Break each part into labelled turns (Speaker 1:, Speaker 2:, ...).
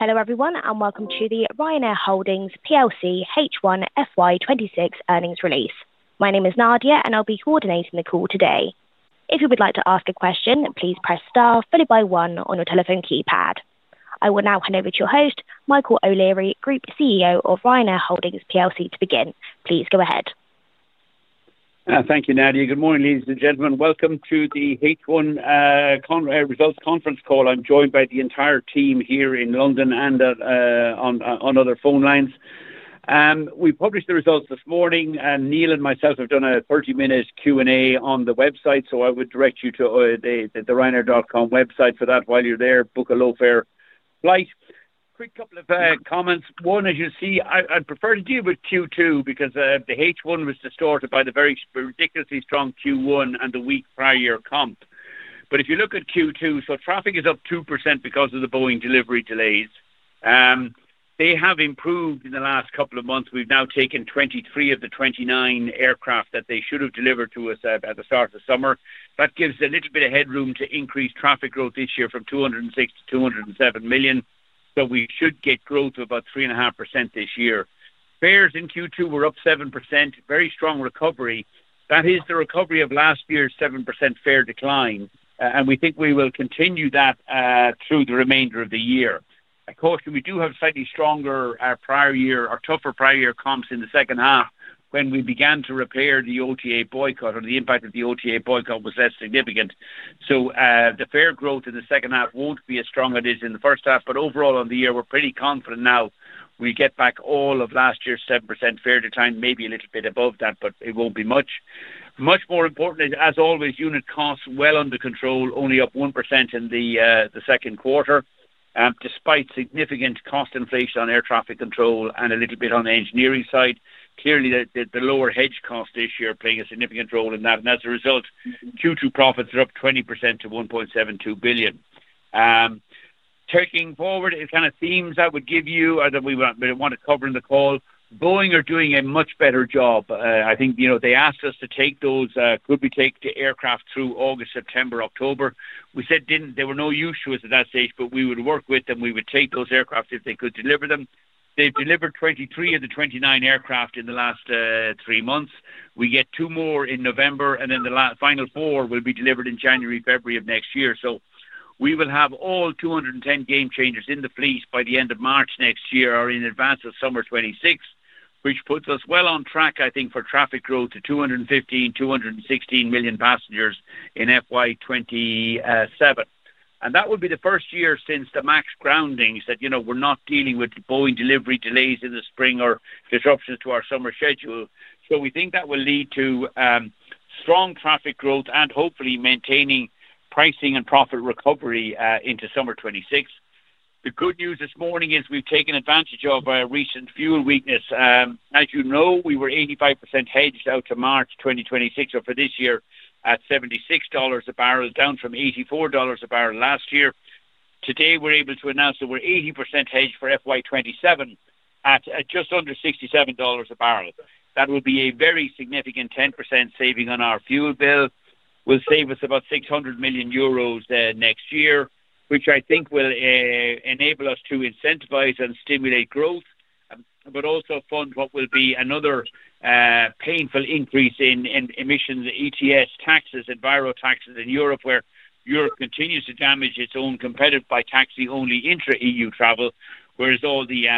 Speaker 1: Hello everyone, and welcome to the Ryanair Holdings H1 FY 2026 earnings release. My name is Nadia, and I'll be coordinating the call today. If you would like to ask a question, please press star followed by one on your telephone keypad. I will now hand over to your host, Michael O’Leary, Group CEO of Ryanair Holdings, to begin. Please go ahead.
Speaker 2: Thank you, Nadia. Good morning, ladies and gentlemen. Welcome to the H1 results conference call. I'm joined by the entire team here in London and on other phone lines. We published the results this morning, and Neil and myself have done a 30-minute Q&A on the website, so I would direct you to the ryanair.com website for that. While you're there, book a low-fare flight. Quick couple of comments. One, as you'll see, I'd prefer to deal with Q2 because the H1 was distorted by the very ridiculously strong Q1 and the weak prior year comp. If you look at Q2, traffic is up 2% because of the Boeing delivery delays. They have improved in the last couple of months. We've now taken 23 of the 29 aircraft that they should have delivered to us at the start of the summer. That gives a little bit of headroom to increase traffic growth this year from 206 to 207 million. We should get growth of about 3.5% this year. Fares in Q2 were up 7%, very strong recovery. That is the recovery of last year's 7% fare decline, and we think we will continue that through the remainder of the year. Of course, we do have slightly stronger prior year, or tougher prior year comps in the second half when we began to repair the OTA boycott, or the impact of the OTA boycott was less significant. The fare growth in the second half won't be as strong as it is in the first half, but overall on the year, we're pretty confident now we get back all of last year's 7% fare decline, maybe a little bit above that, but it won't be much. Much more important, as always, unit costs well under control, only up 1% in the second quarter. Despite significant cost inflation on air traffic control and a little bit on the engineering side, clearly the lower hedge costs this year are playing a significant role in that. As a result, Q2 profits are up 20% to 1.72 billion. Taking forward, the kind of themes I would give you that we want to cover in the call, Boeing are doing a much better job. I think they asked us could we take the aircraft through August, September, October. We said they were no use to us at that stage, but we would work with them. We would take those aircraft if they could deliver them. They've delivered 23 of the 29 aircraft in the last three months. We get two more in November, and then the final four will be delivered in January, February of next year. We will have all 210 Gamechangers in the fleet by the end of March next year or in advance of summer 2026, which puts us well on track, I think, for traffic growth to 215-216 million passengers in FY 2027. That will be the first year since the MAX groundings that we're not dealing with Boeing delivery delays in the spring or disruptions to our summer schedule. We think that will lead to strong traffic growth and hopefully maintaining pricing and profit recovery into summer 2026. The good news this morning is we've taken advantage of our recent fuel weakness. As you know, we were 85% hedged out to March 2026, so for this year at $76 a barrel, down from $84 a barrel last year. Today, we're able to announce that we're 80% hedged for FY 2027 at just under $67 a barrel. That will be a very significant 10% saving on our fuel bill. It will save us about 600 million euros next year, which I think will enable us to incentivize and stimulate growth, but also fund what will be another painful increase in emissions, ETS taxes, and viral taxes in Europe, where Europe continues to damage its own competitors by taxing only intra-EU travel, whereas all the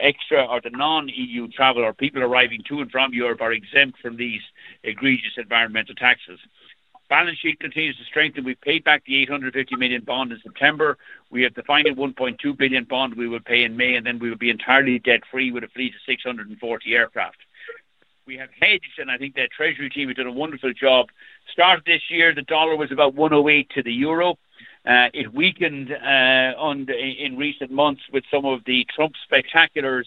Speaker 2: extra or the non-EU travel or people arriving to and from Europe are exempt from these egregious environmental taxes. Balance sheet continues to strengthen. We paid back the 850 million bond in September. We have the final 1.2 billion bond we will pay in May, and then we will be entirely debt-free with a fleet of 640 aircraft. We have hedged, and I think the Treasury team has done a wonderful job. Start of this year, the dollar was about 1.08 to the euro. It weakened in recent months with some of the Trump spectaculars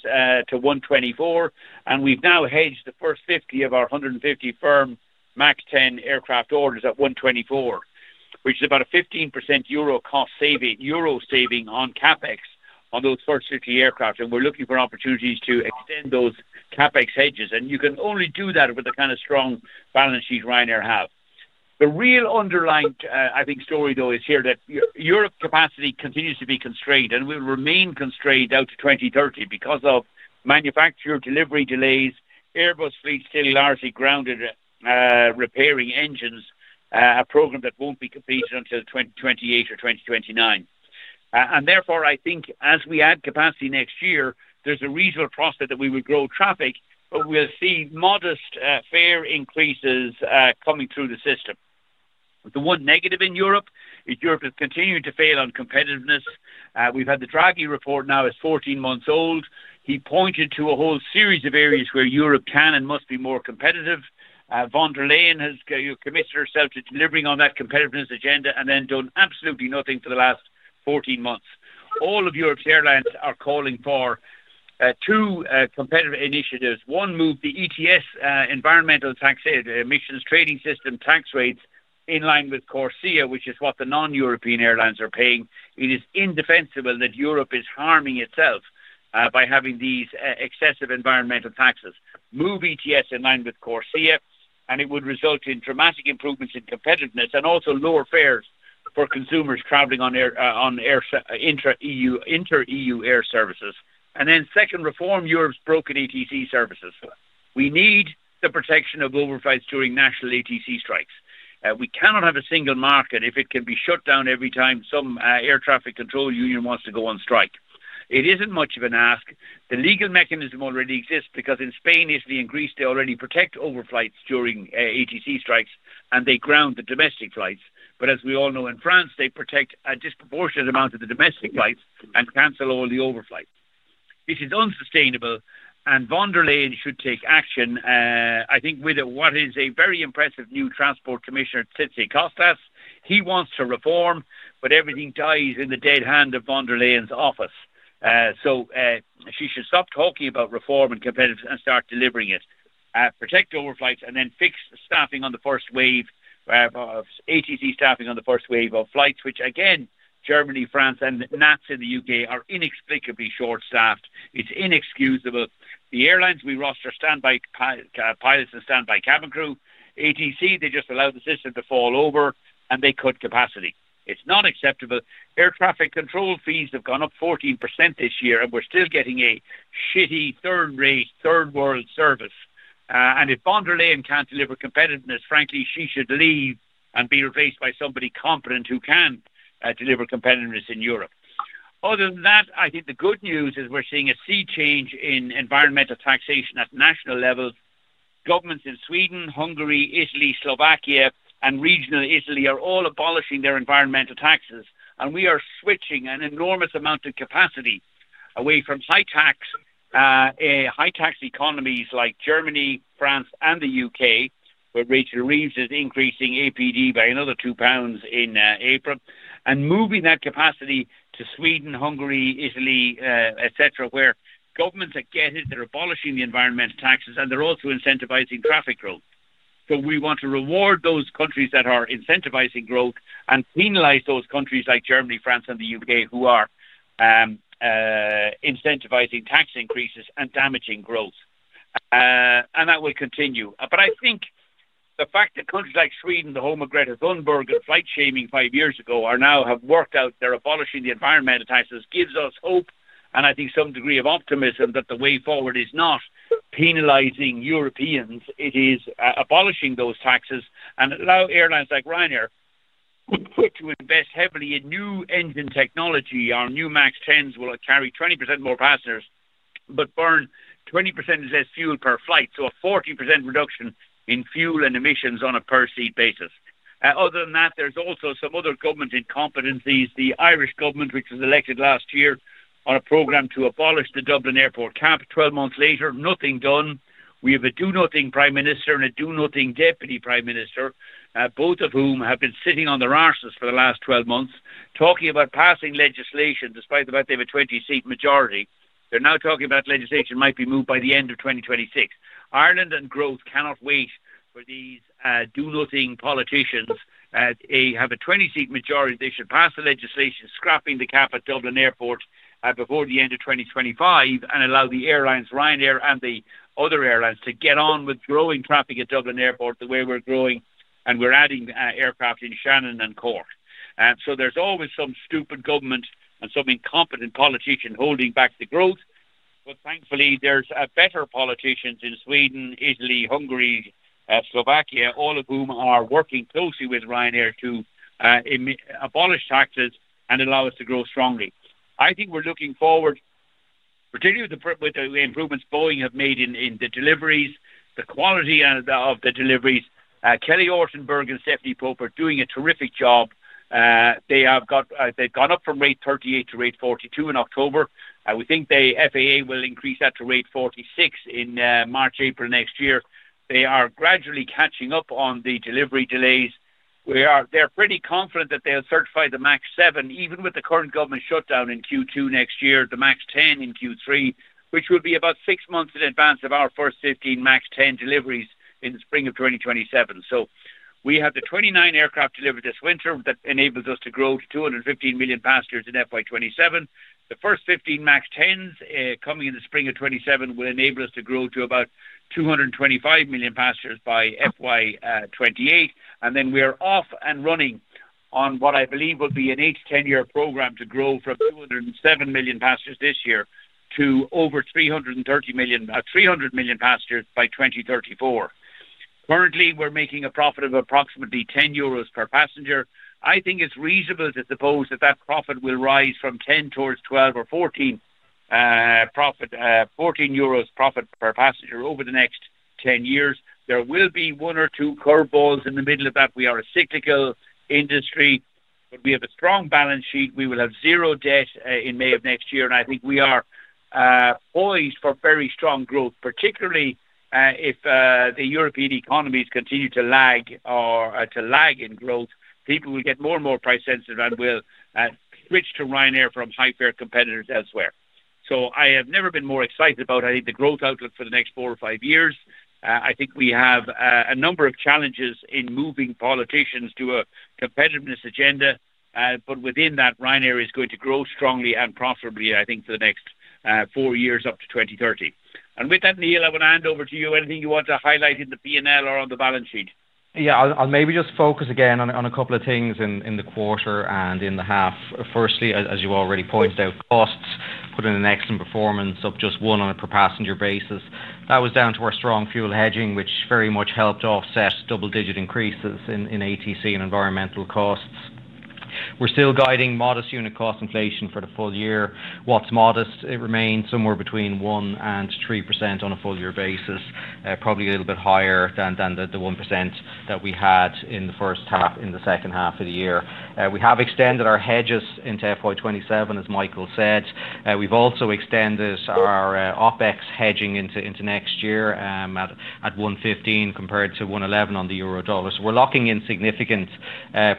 Speaker 2: to 1.24, and we've now hedged the first 50 of our 150 firm MAX 10 aircraft orders at 1.24, which is about a 15% euro saving on CapEx on those first 50 aircraft. We're looking for opportunities to extend those CapEx hedges, and you can only do that with the kind of strong balance sheet Ryanair has. The real underlying, I think, story though is here that Europe's capacity continues to be constrained, and we will remain constrained out to 2030 because of manufacturer delivery delays, Airbus fleet still largely grounded, repairing engines, a program that won't be completed until 2028 or 2029. Therefore, I think as we add capacity next year, there's a reasonable prospect that we will grow traffic, but we'll see modest fare increases coming through the system. The one negative in Europe is Europe is continuing to fail on competitiveness. We've had the Draghi report now, it's 14 months old. He pointed to a whole series of areas where Europe can and must be more competitive. Von der Leyen has committed herself to delivering on that competitiveness agenda and then done absolutely nothing for the last 14 months. All of Europe's airlines are calling for two competitive initiatives. One, move the ETS, Environmental Taxation Trading System, tax rates in line with CORSIA, which is what the non-European airlines are paying. It is indefensible that Europe is harming itself by having these excessive environmental taxes. Move ETS in line with CORSIA, and it would result in dramatic improvements in competitiveness and also lower fares for consumers traveling on intra-EU air services. The second reform, Europe's broken ATC services. We need the protection of overflights during national ATC strikes. We cannot have a single market if it can be shut down every time some air traffic control union wants to go on strike. It is not much of an ask. The legal mechanism already exists because in Spain, if they increase, they already protect overflights during ATC strikes, and they ground the domestic flights. As we all know in France, they protect a disproportionate amount of the domestic flights and cancel all the overflights. This is unsustainable, and von der Leyen should take action. I think with what is a very impressive new Transport Commissioner, Tizé Costas. He wants to reform, but everything dies in the dead hand of von der Leyen's office. She should stop talking about reform and competitiveness and start delivering it. Protect overflights and then fix staffing on the first wave. ATC staffing on the first wave of flights, which again, Germany, France, and NATS in the U.K. are inexplicably short-staffed. It is inexcusable. The airlines, we roster standby pilots and standby cabin crew. ATC, they just allowed the system to fall over, and they cut capacity. It is not acceptable. Air traffic control fees have gone up 14% this year, and we are still getting a shitty third-rate, third-world service. If von der Leyen cannot deliver competitiveness, frankly, she should leave and be replaced by somebody competent who can deliver competitiveness in Europe. Other than that, I think the good news is we are seeing a sea change in environmental taxation at national levels. Governments in Sweden, Hungary, Italy, Slovakia, and regional Italy are all abolishing their environmental taxes, and we are switching an enormous amount of capacity away from high-tax economies like Germany, France, and the U.K., where Rachel Reeves is increasing APD by another 2 pounds in April, and moving that capacity to Sweden, Hungary, Italy, etc., where governments are getting it, they are abolishing the environmental taxes, and they are also incentivizing traffic growth. We want to reward those countries that are incentivizing growth and penalize those countries like Germany, France, and the U.K. who are incentivizing tax increases and damaging growth. That will continue. I think the fact that countries like Sweden, the Holmenkrater, Thunberg, and flight-shaming five years ago have worked out they are abolishing the environmental taxes gives us hope, and I think some degree of optimism that the way forward is not penalizing Europeans. It is abolishing those taxes and allow airlines like Ryanair to invest heavily in new engine technology. Our new MAX 10s will carry 20% more passengers but burn 20% less fuel per flight, so a 40% reduction in fuel and emissions on a per-seat basis. Other than that, there's also some other government incompetencies. The Irish government, which was elected last year on a program to abolish the Dublin Airport cap, 12 months later, nothing done. We have a do-nothing prime minister and a do-nothing deputy prime minister, both of whom have been sitting on the rafters for the last 12 months, talking about passing legislation despite the fact they have a 20-seat majority. They're now talking about legislation that might be moved by the end of 2026. Ireland and growth cannot wait for these do-nothing politicians. They have a 20-seat majority. They should pass the legislation scrapping the cap at Dublin Airport before the end of 2025 and allow Ryanair and the other airlines to get on with growing traffic at Dublin Airport the way we're growing, and we're adding aircraft in Shannon and Cork. There is always some stupid government and some incompetent politician holding back the growth, but thankfully there are better politicians in Sweden, Italy, Hungary, Slovakia, all of whom are working closely with Ryanair to abolish taxes and allow us to grow strongly. I think we're looking forward, particularly with the improvements Boeing has made in the deliveries, the quality of the deliveries. Kelly Ortenberg and Stephanie Popper are doing a terrific job. They've gone up from rate 38 to rate 42 in October. We think the FAA will increase that to rate 46 in March, April next year. They are gradually catching up on the delivery delays. They're pretty confident that they'll certify the MAX 7, even with the current government shutdown in Q2 next year, the MAX 10 in Q3, which will be about six months in advance of our first 15 MAX 10 deliveries in the spring of 2027. We have the 29 aircraft delivered this winter that enables us to grow to 215 million passengers in FY 2027. The first 15 MAX 10s coming in the spring of 2027 will enable us to grow to about 225 million passengers by FY 2028. We are off and running on what I believe will be an 8-10 year program to grow from 207 million passengers this year to over 300 million passengers by 2034. Currently, we're making a profit of approximately 10 euros per passenger. I think it's reasonable to suppose that that profit will rise from 10 towards 12 or 14, 14 euros per passenger over the next 10 years. There will be one or two curveballs in the middle of that. We are a cyclical industry, but we have a strong balance sheet. We will have zero debt in May of next year, and I think we are poised for very strong growth, particularly if the European economies continue to lag in growth. People will get more and more price sensitive and will switch to Ryanair from high-fare competitors elsewhere. I have never been more excited about, I think, the growth outlook for the next four or five years. I think we have a number of challenges in moving politicians to a competitiveness agenda, but within that, Ryanair is going to grow strongly and profitably, I think, for the next four years up to 2030. With that, Neil, I want to hand over to you. Anything you want to highlight in the P&L or on the balance sheet?
Speaker 3: Yeah, I'll maybe just focus again on a couple of things in the quarter and in the half. Firstly, as you already pointed out, costs put in an excellent performance of just one on a per-passenger basis. That was down to our strong fuel hedging, which very much helped offset double-digit increases in ATC and environmental costs. We're still guiding modest unit cost inflation for the full year. What's modest remains somewhere between 1% and 3% on a full-year basis, probably a little bit higher than the 1% that we had in the first half, in the second half of the year. We have extended our hedges into FY 2027, as Michael said. We've also extended our OPEX hedging into next year at 1.15 compared to 1.11 on the euro/dollar. We're locking in significant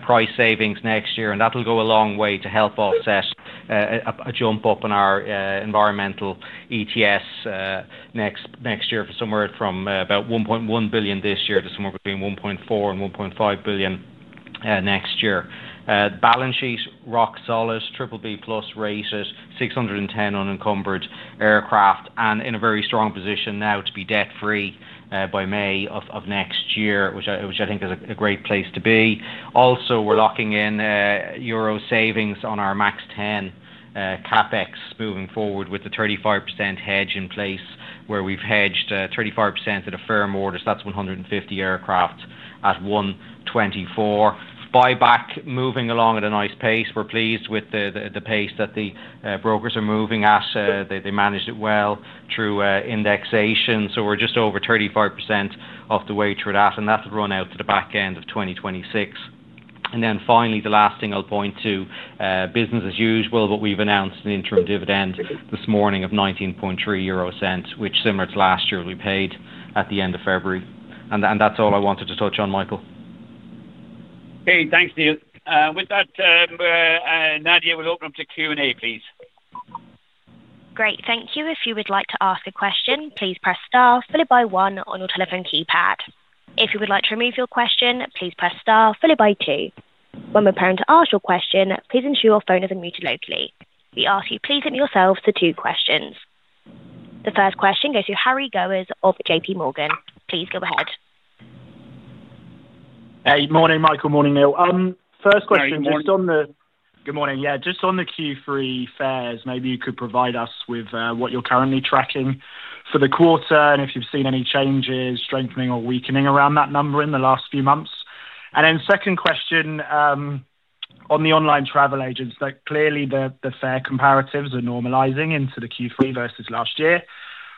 Speaker 3: price savings next year, and that'll go a long way to help offset a jump up in our environmental ETS next year from somewhere from about 1.1 billion this year to somewhere between 1.4 billion-1.5 billion next year. Balance sheet rock-solid. BBB plus raises, 610 unencumbered aircraft, and in a very strong position now to be debt-free by May of next year, which I think is a great place to be. Also, we're locking in euro savings on our MAX 10. CapEx moving forward with the 35% hedge in place where we've hedged 35% at a firm order. That's 150 aircraft at 1.24. Buyback moving along at a nice pace. We're pleased with the pace that the brokers are moving at. They managed it well through indexation. We're just over 35% of the way through that, and that'll run out to the back end of 2026. Finally, the last thing I'll point to, business as usual, but we've announced an interim dividend this morning of 0.193, which, similar to last year, we paid at the end of February. That's all I wanted to touch on, Michael.
Speaker 2: Okay, thanks, Neil. With that, Nadia, we'll open up to Q&A, please.
Speaker 1: Great, thank you. If you would like to ask a question, please press star followed by one on your telephone keypad. If you would like to remove your question, please press star followed by two. When we're preparing to ask your question, please ensure your phone is unmuted locally. We ask you, please answer yourself the two questions. The first question goes to Harry Gowers of J.P. Morgan. Please go ahead.
Speaker 4: Hey, morning, Michael. Morning, Neil. First question, just on the. Good morning. Yeah, just on the Q3 fares, maybe you could provide us with what you're currently tracking for the quarter and if you've seen any changes, strengthening, or weakening around that number in the last few months. Then second question. On the online travel agents, clearly the fare comparatives are normalizing into the Q3 versus last year.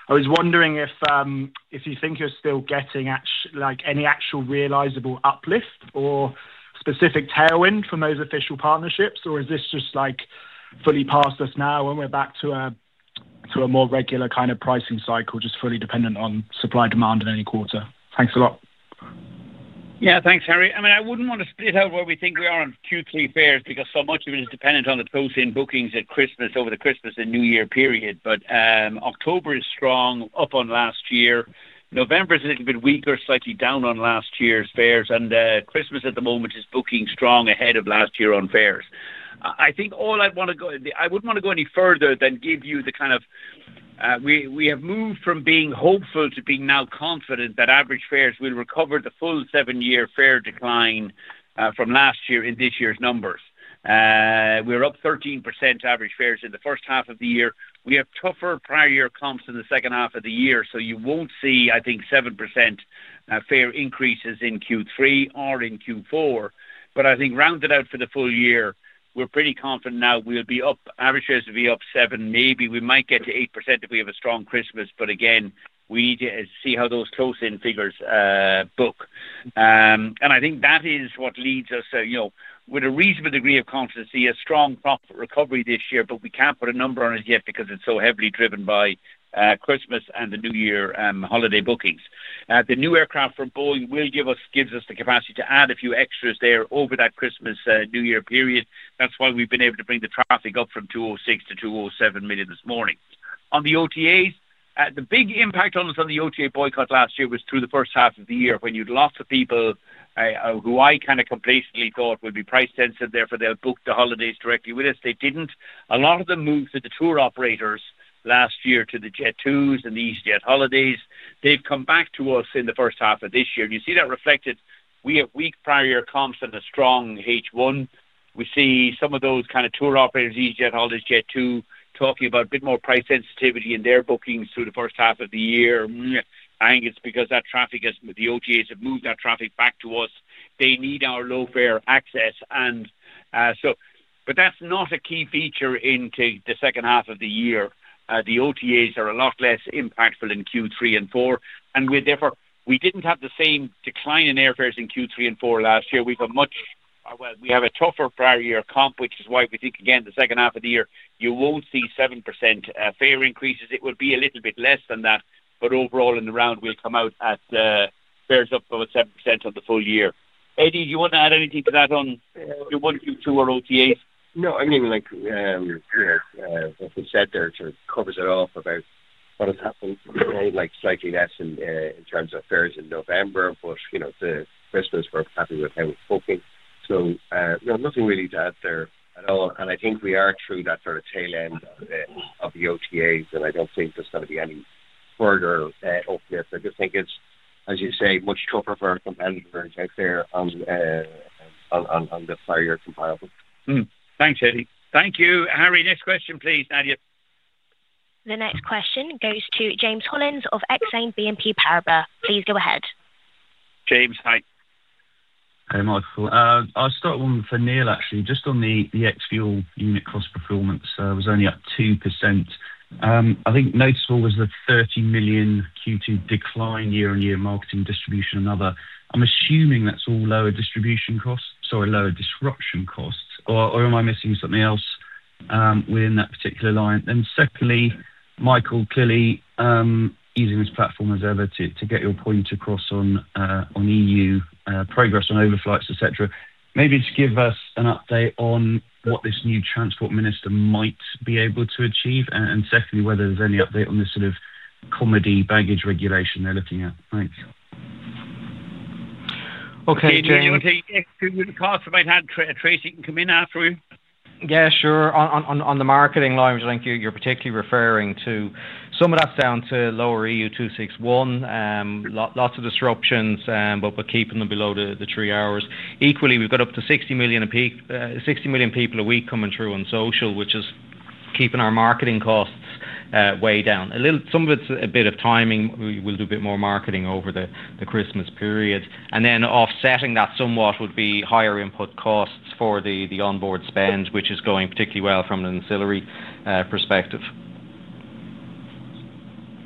Speaker 4: I was wondering if you think you're still getting any actual realizable uplift or specific tailwind from those official partnerships, or is this just fully past us now when we're back to a more regular kind of pricing cycle, just fully dependent on supply-demand in any quarter? Thanks a lot.
Speaker 2: Yeah, thanks, Harry. I mean, I wouldn't want to split out where we think we are on Q3 fares because so much of it is dependent on the posting bookings at Christmas over the Christmas and New Year period. October is strong up on last year. November is a little bit weaker, slightly down on last year's fares, and Christmas at the moment is booking strong ahead of last year on fares. I think all I'd want to go—I wouldn't want to go any further than give you the kind of—we have moved from being hopeful to being now confident that average fares will recover the full seven-year fare decline from last year in this year's numbers. We're up 13% average fares in the first half of the year. We have tougher prior-year comps in the second half of the year, so you won't see, I think, 7% fare increases in Q3 or in Q4. I think rounded out for the full year, we're pretty confident now we'll be up—average fares will be up 7%. Maybe we might get to 8% if we have a strong Christmas, but again, we need to see how those close-in figures book. I think that is what leads us with a reasonable degree of confidence to see a strong profit recovery this year, but we can't put a number on it yet because it's so heavily driven by Christmas and the New Year holiday bookings. The new aircraft from Boeing gives us the capacity to add a few extras there over that Christmas-New Year period. That's why we've been able to bring the traffic up from 206 to 207 million this morning. On the OTAs, the big impact on us on the OTA boycott last year was through the first half of the year when you'd lots of people who I kind of complacently thought would be price-sensitive, therefore they'll book the holidays directly with us. They didn't. A lot of them moved to the tour operators last year to the Jet2s and the EasyJet holidays. They've come back to us in the first half of this year. You see that reflected. We have weak prior-year comps and a strong H1. We see some of those kind of tour operators, EasyJet holidays, Jet2, talking about a bit more price sensitivity in their bookings through the first half of the year. I think it's because the OTAs have moved that traffic back to us. They need our low-fare access. That's not a key feature into the second half of the year. The OTAs are a lot less impactful in Q3 and Q4. Therefore, we didn't have the same decline in airfares in Q3 and Q4 last year. We have a much—well, we have a tougher prior-year comp, which is why we think, again, the second half of the year, you won't see 7% fare increases. It would be a little bit less than that, but overall in the round, we'll come out at. Fares up about 7% on the full year. Eddie, do you want to add anything to that on the 1, 2, or OTAs?
Speaker 5: No, I mean. Like what was said there to cover that off about what has happened, slightly less in terms of fares in November, but the Christmas we're happy with how it's booking. Nothing really to add there at all. I think we are through that sort of tail end of the OTAs, and I don't think there's going to be any further uplift. I just think it's, as you say, much tougher for our competitors out there. On the prior-year comparable.
Speaker 2: Thanks, Eddie. Thank you. Harry, next question, please, Nadia.
Speaker 1: The next question goes to James Hollins of Exane BNP Paribas. Please go ahead.
Speaker 2: James, hi.
Speaker 6: Hi, Michael. I'll start one for Neil, actually, just on the ex-fuel unit cost performance. It was only up 2%. I think noticeable was the 30 million Q2 decline year-on-year marketing distribution and other. I'm assuming that's all lower distribution costs, sorry, lower disruption costs, or am I missing something else. Within that particular line? Secondly, Michael, clearly. Using this platform as ever to get your point across on. EU progress on overflights, etc., maybe just give us an update on what this new transport minister might be able to achieve, and secondly, whether there's any update on this sort of comedy baggage regulation they're looking at. Thanks.
Speaker 2: Okay, James. I might have Tracey can come in after you.
Speaker 3: Yeah, sure. On the marketing line, I think you're particularly referring to some of that's down to lower EU 261. Lots of disruptions, but we're keeping them below the three hours. Equally, we've got up to 60 million people a week coming through on social, which is keeping our marketing costs way down. Some of it's a bit of timing. We'll do a bit more marketing over the Christmas period. Then offsetting that somewhat would be higher input costs for the onboard spend, which is going particularly well from an ancillary perspective.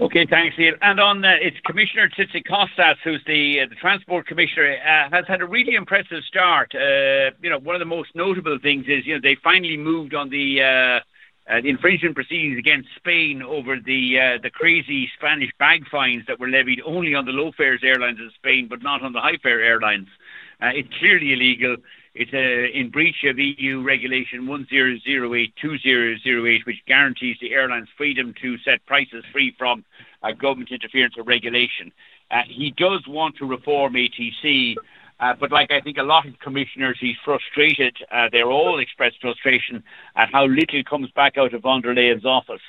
Speaker 2: Okay, thanks, Neil. On its commissioner to the costs, who's the transport commissioner, has had a really impressive start. One of the most notable things is they finally moved on the infringement proceedings against Spain over the crazy Spanish bag fines that were levied only on the low-fare airlines in Spain, but not on the high-fare airlines. It's clearly illegal. It's in breach of EU regulation 10082008, which guarantees the airlines' freedom to set prices free from government interference or regulation. He does want to reform ATC, but like I think a lot of commissioners, he's frustrated. They've all expressed frustration at how little comes back out of Von der Leyen's office.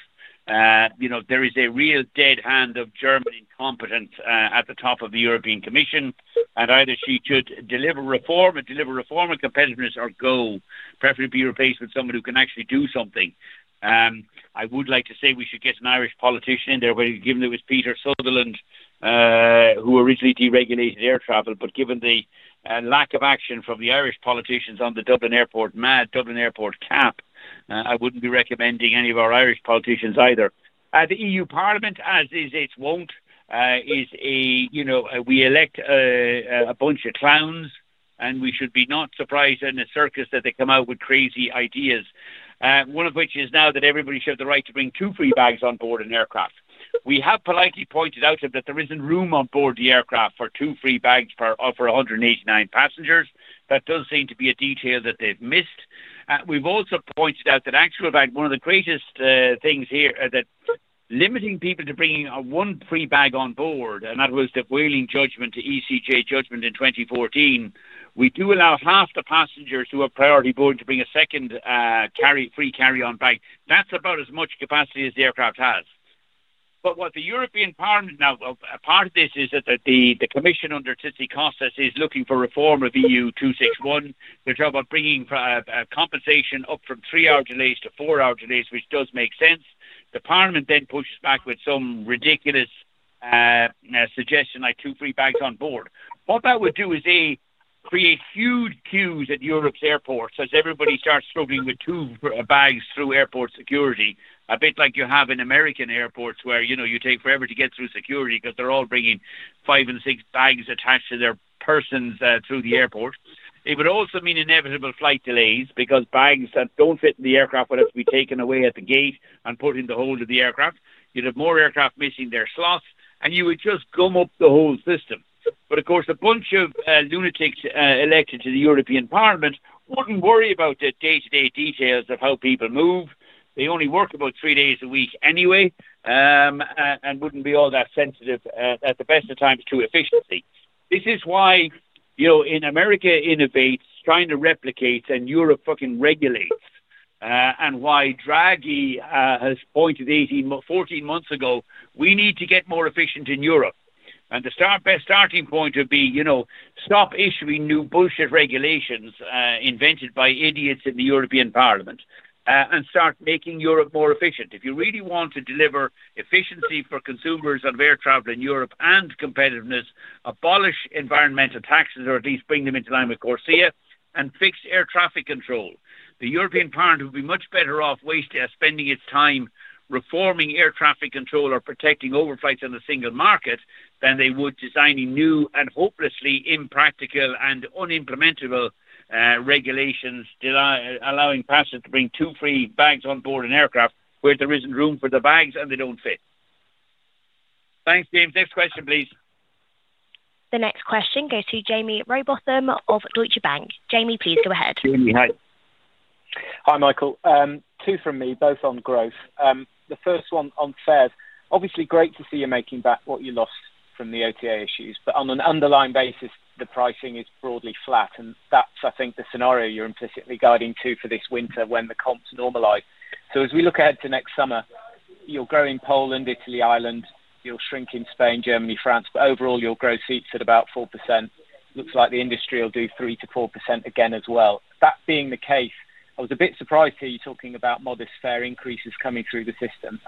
Speaker 2: There is a real dead hand of German incompetence at the top of the European Commission, and either she should deliver reform and deliver reform and competitiveness or go, preferably be replaced with someone who can actually do something. I would like to say we should get an Irish politician in there, given it was Peter Sutherland who originally deregulated air travel, but given the lack of action from the Irish politicians on the Dublin Airport MAD, Dublin Airport cap, I wouldn't be recommending any of our Irish politicians either. The EU Parliament, as is its wont, is a—we elect a bunch of clowns, and we should be not surprised in a circus that they come out with crazy ideas. One of which is now that everybody should have the right to bring two free bags on board an aircraft. We have politely pointed out that there isn't room on board the aircraft for two free bags for 189 passengers. That does seem to be a detail that they've missed. We've also pointed out that actually, in fact, one of the greatest things here, that limiting people to bringing one free bag on board, and that was the whaling judgment, the ECJ judgment in 2014, we do allow half the passengers who have priority board to bring a second free carry-on bag. That's about as much capacity as the aircraft has. What the European Parliament now, part of this is that the commission under Tizzi Kosas is looking for reform of EU 261. They're talking about bringing compensation up from three-hour delays to four-hour delays, which does make sense. The Parliament then pushes back with some ridiculous suggestion like two free bags on board. What that would do is create huge queues at Europe's airports as everybody starts struggling with two bags through airport security, a bit like you have in American airports where you take forever to get through security because they're all bringing five and six bags attached to their persons through the airport. It would also mean inevitable flight delays because bags that don't fit in the aircraft would have to be taken away at the gate and put in the hold of the aircraft. You'd have more aircraft missing their slots, and you would just gum up the whole system. But of course, a bunch of lunatics elected to the European Parliament would not worry about the day-to-day details of how people move. They only work about three days a week anyway. They would not be all that sensitive, at the best of times, to efficiency. This is why. In America innovates, trying to replicate, and Europe fucking regulates. And why Draghi has pointed 14 months ago, we need to get more efficient in Europe. The starting point would be to stop issuing new bullshit regulations invented by idiots in the European Parliament and start making Europe more efficient. If you really want to deliver efficiency for consumers of air travel in Europe and competitiveness, abolish environmental taxes or at least bring them into line with CORSEA and fix air traffic control. The European Parliament would be much better off spending its time reforming air traffic control or protecting overflights on a single market than they would designing new and hopelessly impractical and unimplementable regulations allowing passengers to bring two free bags on board an aircraft where there is not room for the bags and they do not fit. Thanks, James. Next question, please.
Speaker 1: The next question goes to Jaime Rowbotham of Deutsche Bank. Jamie, please go ahead.
Speaker 2: Jamie, hi.
Speaker 7: Hi, Michael. Two from me, both on growth. The first one on fares. Obviously, great to see you are making back what you lost from the OTA issues, but on an underlying basis, the pricing is broadly flat, and that is, I think, the scenario you are implicitly guiding to for this winter when the comps normalize. As we look ahead to next summer, you will grow in Poland, Italy, Ireland, you will shrink in Spain, Germany, France, but overall, you will grow seats at about 4%. Looks like the industry will do 3%-4% again as well. That being the case, I was a bit surprised to hear you talking about modest fare increases coming through the system,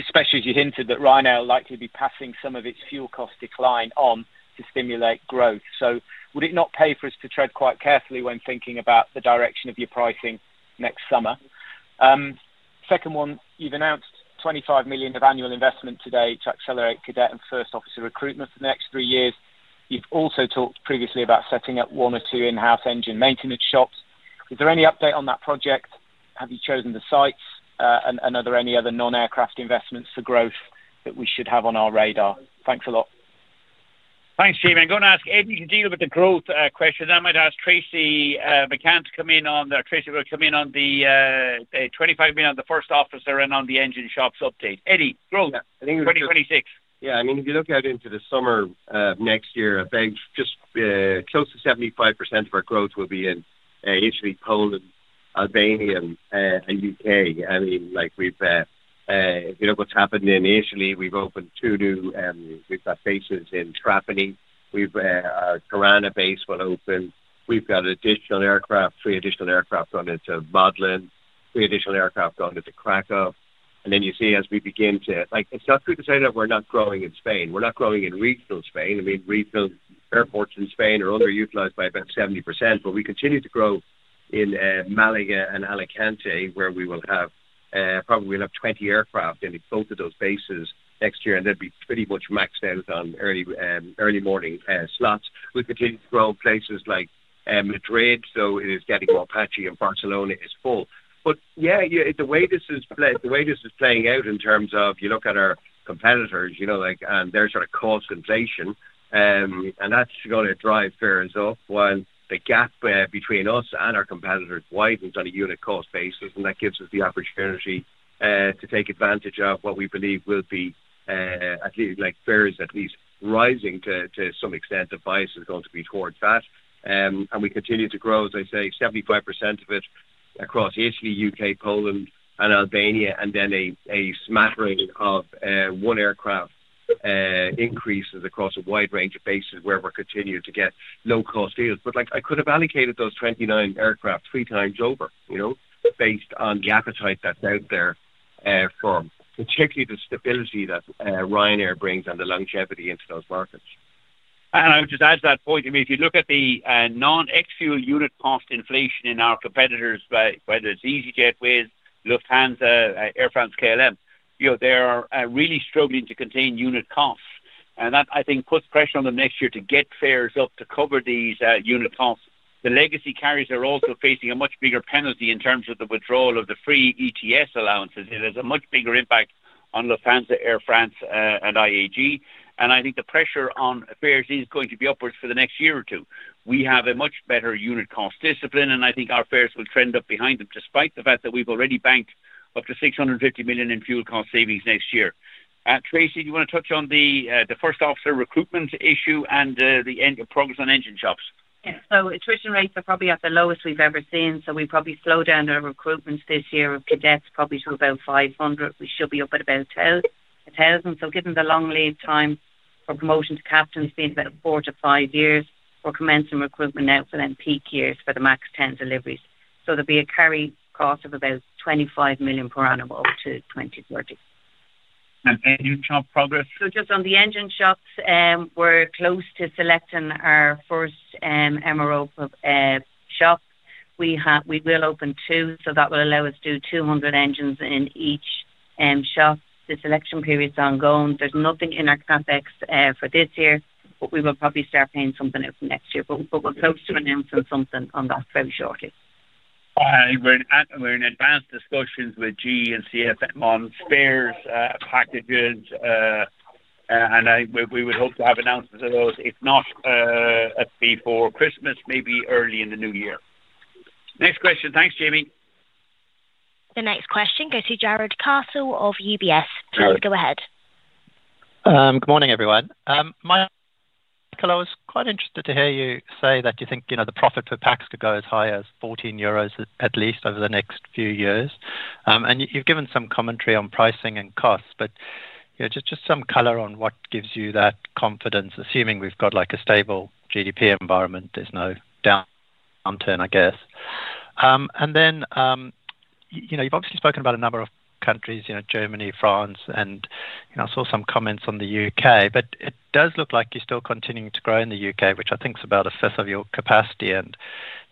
Speaker 7: especially as you hinted that Ryanair will likely be passing some of its fuel cost decline on to stimulate growth. Would it not pay for us to tread quite carefully when thinking about the direction of your pricing next summer? Second one, you have announced 25 million of annual investment today to accelerate cadet and first officer recruitment for the next three years. You have also talked previously about setting up one or two in-house engine maintenance shops. Is there any update on that project? Have you chosen the sites? Are there any other non-aircraft investments for growth that we should have on our radar? Thanks a lot.
Speaker 2: Thanks, Jamie. I am going to ask Eddie to deal with the growth question. Then I might ask Tracey McCann to come in on the 25 million on the first officer and on the engine shops update. Eddie, growth 2026.
Speaker 5: Yeah, I mean, if you look out into the summer of next year, I think just close to 75% of our growth will be in Italy, Poland, Albania, and the U.K. I mean, if you look what's happened in Italy, we've opened two new bases in Trapani. We've got a Carana base will open. We've got three additional aircraft on into Modlin, three additional aircraft on into Kraków. You see as we begin to, it's not good to say that we're not growing in Spain. We're not growing in regional Spain. I mean, regional airports in Spain are underutilized by about 70%, but we continue to grow in Malaga and Alicante, where we will have probably 20 aircraft in both of those bases next year, and they'll be pretty much maxed out on early morning slots. We continue to grow in places like Madrid, though it is getting more patchy, and Barcelona is full. The way this is playing out in terms of, you look at our competitors and their sort of cost inflation, that's going to drive fares up while the gap between us and our competitors widens on a unit cost basis, and that gives us the opportunity to take advantage of what we believe will be fares at least rising to some extent. The bias is going to be towards that. We continue to grow, as I say, 75% of it across Italy, the U.K., Poland, and Albania, and then a smattering of one aircraft increases across a wide range of bases where we're continuing to get low-cost deals. I could have allocated those 29 aircraft three times over based on the appetite that's out there for particularly the stability that Ryanair brings and the longevity into those markets.
Speaker 2: I would just add to that point, I mean, if you look at the non-ex-fuel unit cost inflation in our competitors, whether it's EasyJet, Wizz Air, Lufthansa, Air France, KLM, they are really struggling to contain unit costs. That, I think, puts pressure on them next year to get fares up to cover these unit costs. The legacy carriers are also facing a much bigger penalty in terms of the withdrawal of the free Emissions Trading System allowances. It has a much bigger impact on Lufthansa, Air France, and IAG. I think the pressure on fares is going to be upwards for the next year or two. We have a much better unit cost discipline, and I think our fares will trend up behind them despite the fact that we've already banked up to 650 million in fuel cost savings next year. Tracey, do you want to touch on the first officer recruitment issue and the progress on engine shops?
Speaker 8: Yeah. Tuition rates are probably at the lowest we've ever seen, so we probably slow down our recruitment this year of cadets probably to about 500. We should be up at about 1,000. Given the long lead time for promotion to captains, being about four to five years, we're commencing recruitment now for them peak years for the MAX 10 deliveries. There will be a carry cost of about 25 million per annum up to 2030.
Speaker 2: Engine shop progress?
Speaker 8: Just on the engine shops, we're close to selecting our first MRO shop. We will open two, so that will allow us to do 200 engines in each shop. The selection period is ongoing. There's nothing in our CapEx for this year, but we will probably start paying something out next year. We're close to announcing something on that very shortly.
Speaker 2: We're in advanced discussions with GE and CFM on spares packages. We would hope to have announcements of those, if not before Christmas, maybe early in the new year. Next question. Thanks, Jamie.
Speaker 1: The next question goes to Jared Castle of UBS. Jared, go ahead.
Speaker 9: Good morning, everyone. Michael, I was quite interested to hear you say that you think the profit for PAX could go as high as 14 euros at least over the next few years. You've given some commentary on pricing and costs, but just some color on what gives you that confidence, assuming we've got a stable GDP environment, there's no downturn, I guess. You've obviously spoken about a number of countries, Germany, France, and I saw some comments on the U.K., but it does look like you're still continuing to grow in the U.K., which I think is about a fifth of your capacity. If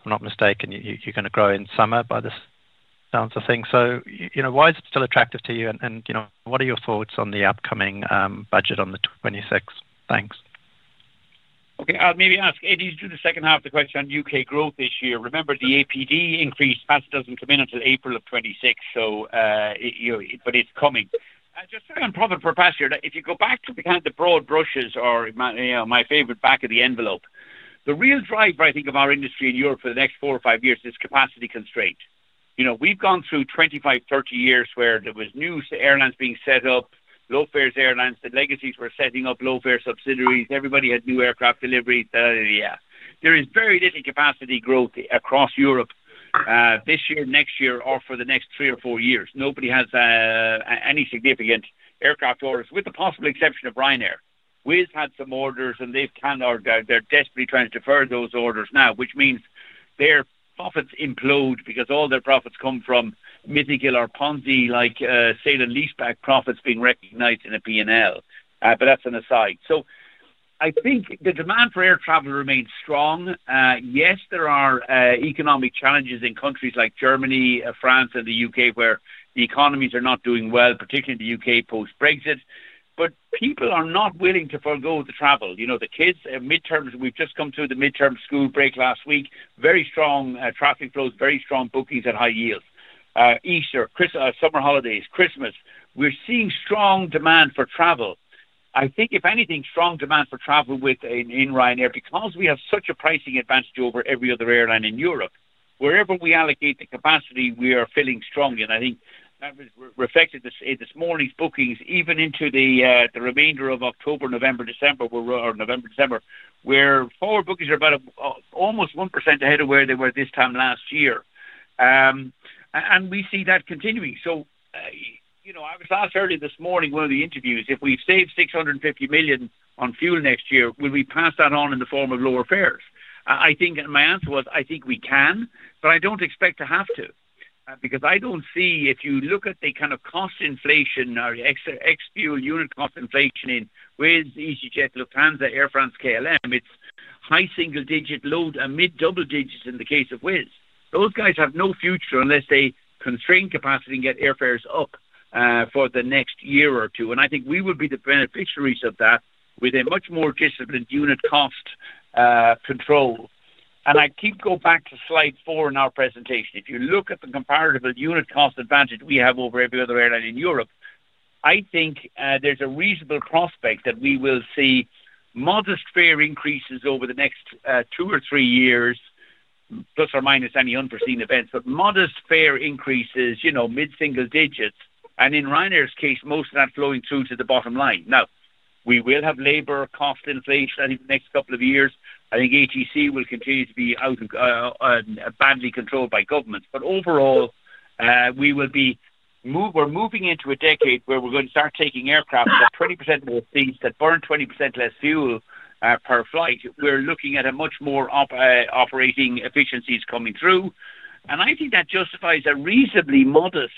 Speaker 9: I'm not mistaken, you're going to grow in summer by the sounds of things. Why is it still attractive to you? What are your thoughts on the upcoming budget on the 26th? Thanks.
Speaker 2: I'll maybe ask Eddie to do the second half of the question on U.K. growth this year. Remember, the APD increase hasn't come in until April of 2026, so it's coming. Just on profit per passenger, if you go back to the kind of the broad brushes or my favorite back of the envelope, the real driver, I think, of our industry in Europe for the next four or five years is capacity constraint. We've gone through 25-30 years where there was new airlines being set up, low-fare airlines. The legacies were setting up low-fare subsidiaries. Everybody had new aircraft deliveries. There is very little capacity growth across Europe this year, next year, or for the next three or four years. Nobody has any significant aircraft orders, with the possible exception of Ryanair. We've had some orders, and they're desperately trying to defer those orders now, which means their profits implode because all their profits come from mythical or Ponzi-like sale and lease-back profits being recognized in a P&L. That's an aside. I think the demand for air travel remains strong. Yes, there are economic challenges in countries like Germany, France, and the U.K. where the economies are not doing well, particularly the U.K. post-Brexit. But people are not willing to forgo the travel. The kids, midterms, we've just come through the midterm school break last week. Very strong traffic flows, very strong bookings and high yields. Easter, summer holidays, Christmas. We're seeing strong demand for travel. I think, if anything, strong demand for travel within Ryanair because we have such a pricing advantage over every other airline in Europe. Wherever we allocate the capacity, we are filling strongly. I think that was reflected in this morning's bookings, even into the remainder of October, November, December, or November, December, where forward bookings are about almost 1% ahead of where they were this time last year. We see that continuing. I was asked earlier this morning in one of the interviews, if we save $650 million on fuel next year, will we pass that on in the form of lower fares? My answer was, I think we can, but I don't expect to have to because I don't see if you look at the kind of cost inflation, ex-fuel unit cost inflation in Wizz, EasyJet, Lufthansa, Air France, KLM, it's high single-digit load and mid-double digits in the case of Wizz. Those guys have no future unless they constrain capacity and get airfares up for the next year or two. I think we will be the beneficiaries of that with a much more disciplined unit cost control. I keep going back to slide four in our presentation. If you look at the comparative unit cost advantage we have over every other airline in Europe, I think there's a reasonable prospect that we will see modest fare increases over the next two or three years, plus or minus any unforeseen events, but modest fare increases, mid-single digits. In Ryanair's case, most of that flowing through to the bottom line. Now, we will have labor cost inflation in the next couple of years. I think ATC will continue to be badly controlled by governments. Overall, we will be. We're moving into a decade where we're going to start taking aircraft that 20% more fees, that burn 20% less fuel per flight. We're looking at much more operating efficiencies coming through. I think that justifies a reasonably modest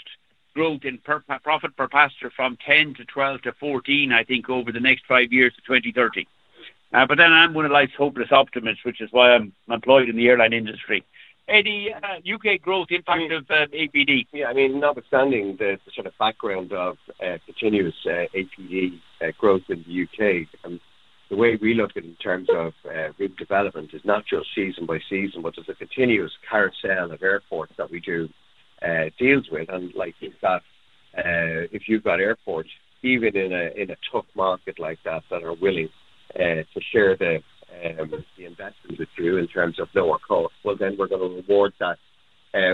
Speaker 2: growth in profit per passenger from 10 to 12 to 14, I think, over the next five years to 2030. But then I'm one of the hopeless optimists, which is why I'm employed in the airline industry. Eddie, U.K. growth impact of APD?
Speaker 5: Yeah. I mean, notwithstanding the sort of background of continuous APD growth in the U.K., the way we look at it in terms of route development is not just season by season, but it's a continuous carousel of airports that we do deals with. If you've got airports, even in a tough market like that, that are willing to share the investment with you in terms of lower cost, then we're going to reward that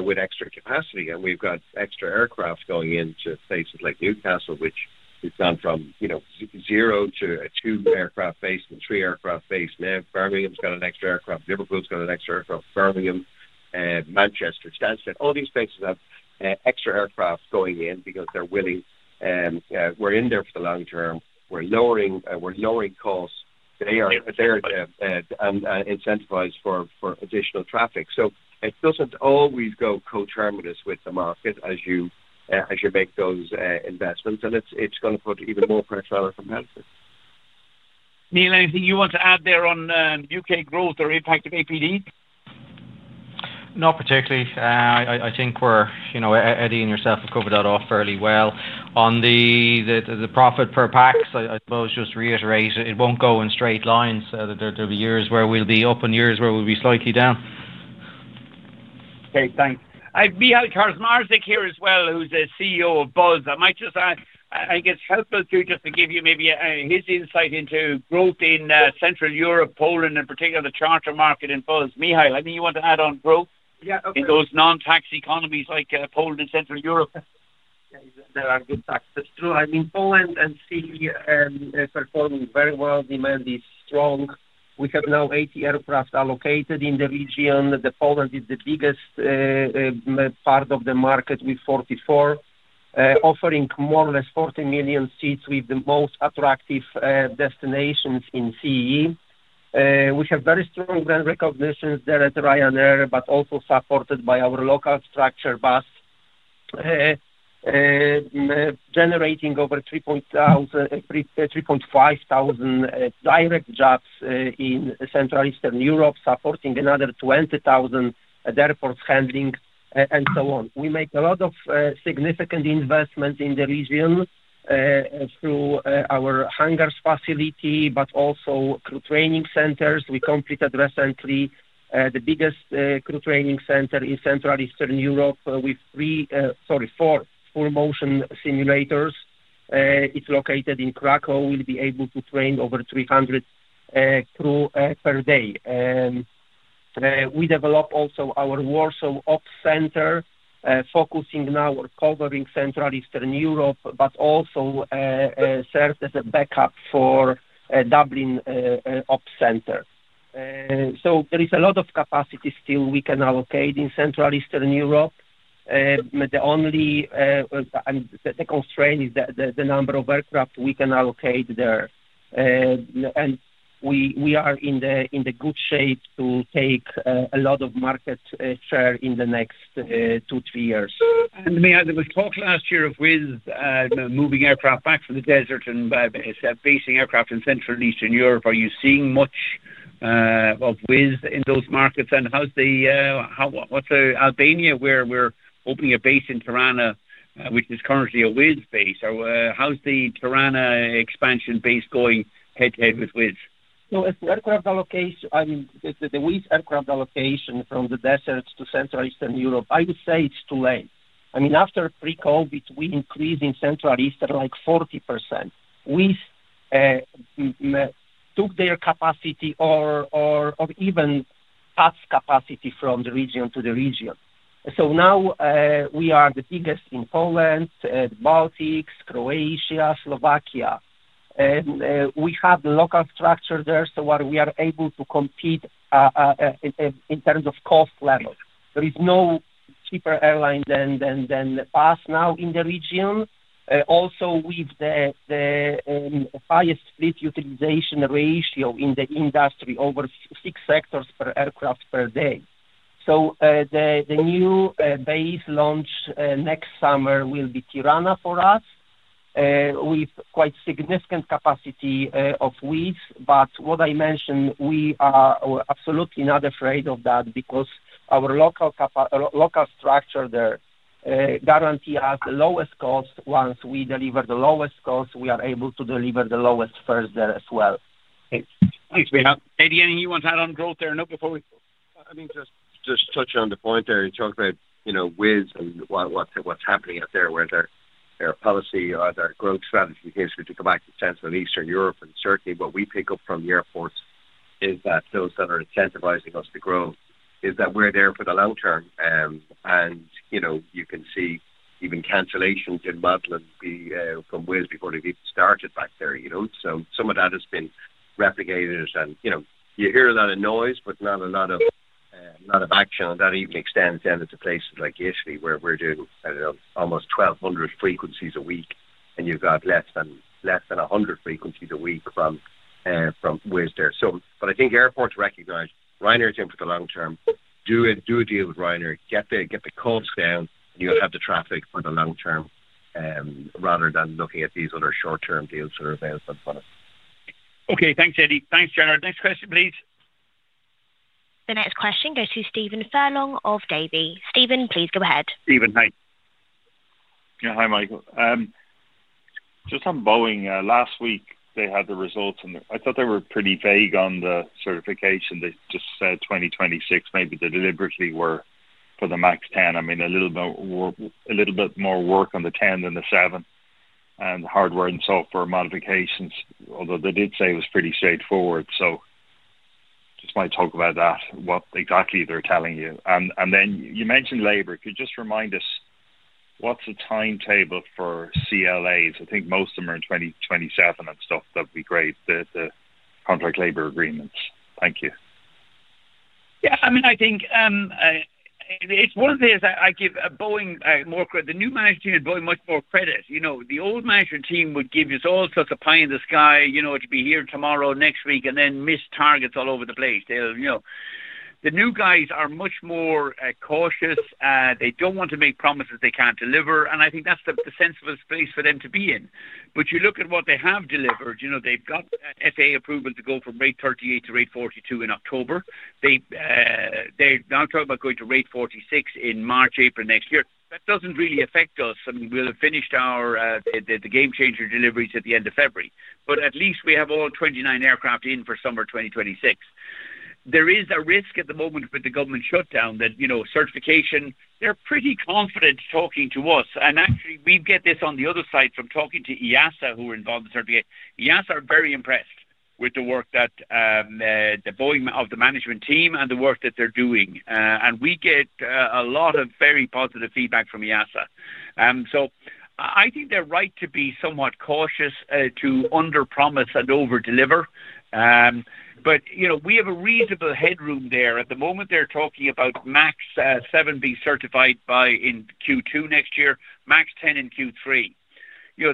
Speaker 5: with extra capacity. We've got extra aircraft going into places like Newcastle, which we've gone from zero to a two-aircraft base to a three-aircraft base now. Birmingham's got an extra aircraft. Liverpool's got an extra aircraft. Birmingham, Manchester, Stansted, all these places have extra aircraft going in because they're willing. We're in there for the long term. We're lowering costs. They're incentivized for additional traffic. It doesn't always go co-terminus with the market as you make those investments, and it's going to put even more pressure on our competitors.
Speaker 2: Neil, anything you want to add there on U.K. growth or impact of APD?
Speaker 3: Not particularly. I think Eddie and yourself have covered that off fairly well. On the profit per PAX, I suppose just to reiterate, it won't go in straight lines. There'll be years where we'll be up and years where we'll be slightly down.
Speaker 2: Okay, thanks. I'd be out of Michal Kaczmarzyk here as well, who's the CEO of BUZZ. I might just add, I think it's helpful to just give you maybe his insight into growth in Central Europe, Poland, and particularly the charter market in BUZZ. Michael, I think you want to add on growth.
Speaker 10: Yeah, okay. In those non-tax economies like Poland and Central Europe? There are good taxes. True. I mean, Poland and Central and Eastern Europe are performing very well. Demand is strong. We have now 80 aircraft allocated in the region. Poland is the biggest part of the market with 44, offering more or less 40 million seats. We have the most attractive destinations in Central Europe. We have very strong brand recognition there at Ryanair, but also supported by our local structure, BUZZ, generating over 3,500 direct jobs in Central and Eastern Europe, supporting another 20,000 at airports, handling and so on. We make a lot of significant investments in the region through our hangars facility, but also crew training centers. We completed recently the biggest crew training center in Central and Eastern Europe with four full-motion simulators. It's located in Kraków. We'll be able to train over 300 crew per day. We developed also our Warsaw Ops Center, focusing now or covering Central and Eastern Europe, but also served as a backup for Dublin Ops Center. There is a lot of capacity still we can allocate in Central and Eastern Europe. The constraint is the number of aircraft we can allocate there. We are in good shape to take a lot of market share in the next two to three years. We talked last year of Wizz moving aircraft back from the desert and basing aircraft in Central and Eastern Europe. Are you seeing much of Wizz in those markets? What's Albania, where we're opening a base in Tirana, which is currently a Wizz base? How's the Tirana expansion base going head-to-head with Wizz? No, the Wizz aircraft allocation from the desert to Central and Eastern Europe, I would say it's too late. I mean, after pre-COVID, we increased in Central and Eastern like 40%. Wizz took their capacity or even passed capacity from the region to the region. So now we are the biggest in Poland, the Baltics, Croatia, Slovakia. And we have the local structure there, so we are able to compete. In terms of cost level, there is no cheaper airline than BUZZ now in the region. Also, with the highest fleet utilization ratio in the industry, over six sectors per aircraft per day. The new base launch next summer will be Tirana for us, with quite significant capacity of Wizz. What I mentioned, we are absolutely not afraid of that because our local structure there guarantees us the lowest cost. Once we deliver the lowest cost, we are able to deliver the lowest fares there as well.
Speaker 2: Thanks, Michael. Eddie, anything you want to add on growth there? No, before we—I mean.
Speaker 5: Just touching on the point there, you talked about Wizz and what's happening out there, whether their policy or their growth strategy is to come back to Central and Eastern Europe. Certainly, what we pick up from the airports is that those that are incentivizing us to grow is that we're there for the long term. You can see even cancellations in Dublin from Wizz before they've even started back there. Some of that has been replicated. You hear a lot of noise, but not a lot of action. That even extends down to places like Italy, where we're doing almost 1,200 frequencies a week, and you've got less than 100 frequencies a week from Wizz there. I think airports recognize Ryanair is in for the long term. Do a deal with Ryanair, get the cost down, and you'll have the traffic for the long term, rather than looking at these other short-term deals that are available in front of us.
Speaker 2: Okay. Thanks, Eddie. Thanks, Jared. Next question, please.
Speaker 1: The next question goes to Stephen Furlong of Davy. Stephen, please go ahead.
Speaker 2: Stephen, hi.
Speaker 11: Yeah, hi, Michael. Just on Boeing, last week, they had the results, and I thought they were pretty vague on the certification. They just said 2026 maybe the deliberative were for the MAX 10. I mean, a little bit more work on the 10 than the 7, and hardware and software modifications, although they did say it was pretty straightforward. Just might talk about that, what exactly they're telling you. Then you mentioned labor. Could you just remind us what's the timetable for CLAs? I think most of them are in 2027 and stuff. That'd be great, the contract labor agreements. Thank you.
Speaker 2: Yeah. I mean, I think it's one of the things I give Boeing more credit. The new management team at Boeing much more credit. The old management team would give you all sorts of pie in the sky, to be here tomorrow, next week, and then miss targets all over the place. The new guys are much more cautious. They do not want to make promises they cannot deliver. I think that is the sensible space for them to be in. You look at what they have delivered. They have got FAA approval to go from rate 38 to rate 42 in October. They are now talking about going to rate 46 in March, April next year. That does not really affect us. I mean, we will have finished the Gamechanger deliveries at the end of February. At least we have all 29 aircraft in for summer 2026. There is a risk at the moment with the government shutdown that certification, they are pretty confident talking to us. Actually, we get this on the other side from talking to EASA, who are involved in certification. EASA are very impressed with the work that the Boeing management team and the work that they are doing. We get a lot of very positive feedback from EASA. I think they are right to be somewhat cautious to underpromise and overdeliver. We have a reasonable headroom there. At the moment, they are talking about MAX 7 being certified in Q2 next year, MAX 10 in Q3.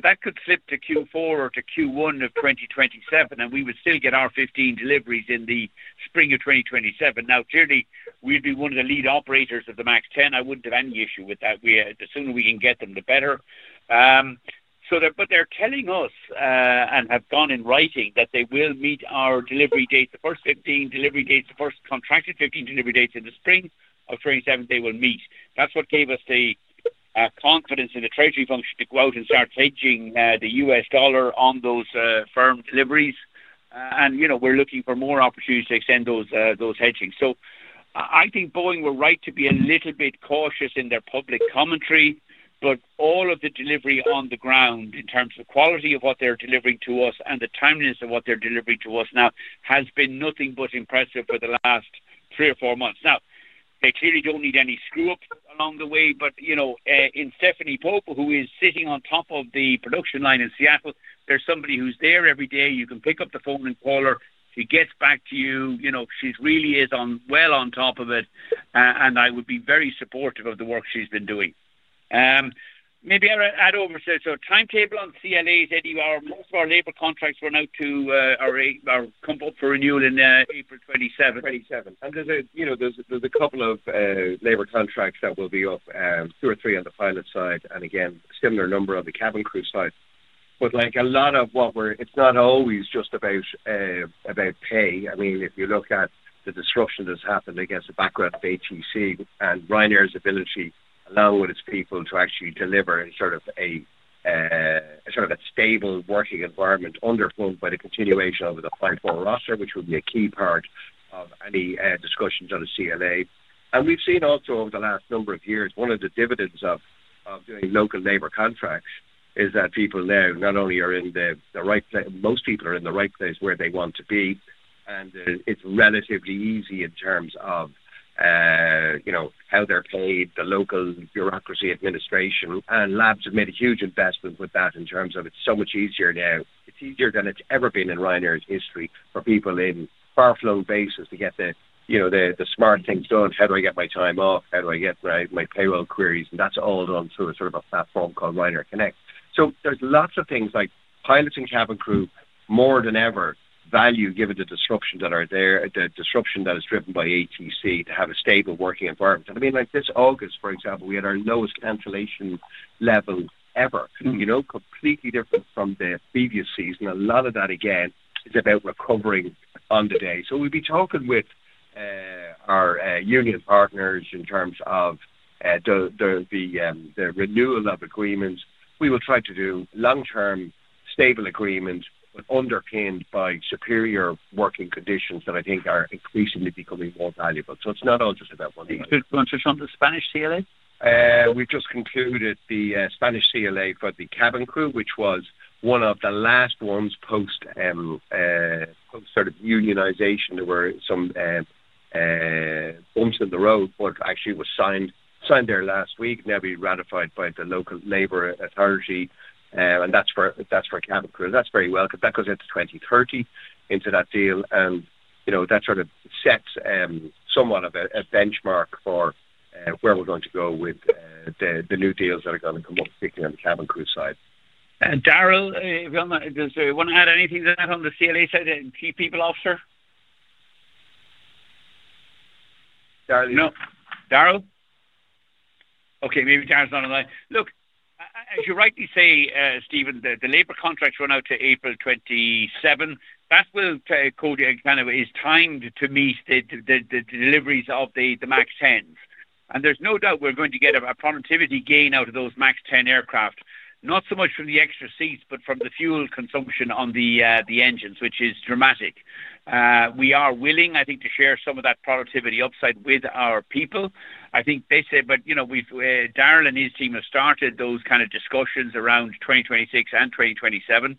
Speaker 2: That could slip to Q4 or to Q1 of 2027, and we would still get our 15 deliveries in the spring of 2027. Clearly, we would be one of the lead operators of the MAX 10. I would not have any issue with that. The sooner we can get them, the better. They are telling us, and have gone in writing, that they will meet our delivery dates, the first 15 delivery dates, the first contracted 15 delivery dates in the spring of 2027, they will meet. That is what gave us the confidence in the treasury function to go out and start hedging the U.S. dollar on those firm deliveries. We are looking for more opportunities to extend those hedging. I think Boeing were right to be a little bit cautious in their public commentary. All of the delivery on the ground in terms of quality of what they are delivering to us and the timeliness of what they are delivering to us now has been nothing but impressive for the last three or four months. They clearly do not need any screw-ups along the way. In Stephanie Pope, who is sitting on top of the production line in Seattle, there is somebody who is there every day. You can pick up the phone and call her. She gets back to you. She really is well on top of it. I would be very supportive of the work she has been doing. Maybe I would oversay it. Timetable on CLAs, Eddie, most of our labor contracts run out to our comp for renewal in April 2027. 2027.
Speaker 5: There is a couple of labor contracts that will be off, two or three on the pilot side, and again, a similar number on the cabin crew side. A lot of what we are—it is not always just about pay. I mean, if you look at the disruption that has happened against the background of ATC and Ryanair's ability along with its people to actually deliver sort of a stable working environment under Boeing by the continuation of the 5-4 roster, which would be a key part of any discussions on a CLA. We have seen also over the last number of years, one of the dividends of doing local labor contracts is that people now not only are in the right place—most people are in the right place where they want to be—and it is relatively easy in terms of how they are paid, the local bureaucracy, administration. Labs have made a huge investment with that in terms of it is so much easier now. It is easier than it has ever been in Ryanair's history for people in far-flung bases to get the smart things done. How do I get my time off? How do I get my payroll queries? That is all done through a sort of a platform called Ryanair Connect. There are lots of things like pilot and cabin crew, more than ever, value given the disruption that is driven by ATC to have a stable working environment. I mean, like this August, for example, we had our lowest cancellation level ever. Completely different from the previous season. A lot of that, again, is about recovering on the day. We will be talking with our union partners in terms of the renewal of agreements. We will try to do long-term stable agreements underpinned by superior working conditions that I think are increasingly becoming more valuable. It is not all just about one thing.
Speaker 2: You spoke about just on the Spanish CLA?
Speaker 10: We just concluded the Spanish CLA for the cabin crew, which was one of the last ones post sort of unionization. There were some bumps in the road, but actually was signed there last week. Now we ratified by the local labor authority. That is for cabin crew. That is very well because that goes into 2030, into that deal. That sort of sets somewhat of a benchmark for where we are going to go with the new deals that are going to come up, particularly on the cabin crew side.
Speaker 2: Darrell, does anyone want to add anything to that on the CLA side and key people, officer? Darrell? No. Darrell? Okay. Maybe Darrell is not on the line. Look, as you rightly say, Stephen, the labor contracts run out to April 2027. That will kind of is timed to meet the deliveries of the MAX 10s. There is no doubt we are going to get a productivity gain out of those MAX 10 aircraft, not so much from the extra seats, but from the fuel consumption on the engines, which is dramatic. We are willing, I think, to share some of that productivity upside with our people. I think they say, but. Darrell and his team have started those kind of discussions around 2026 and 2027.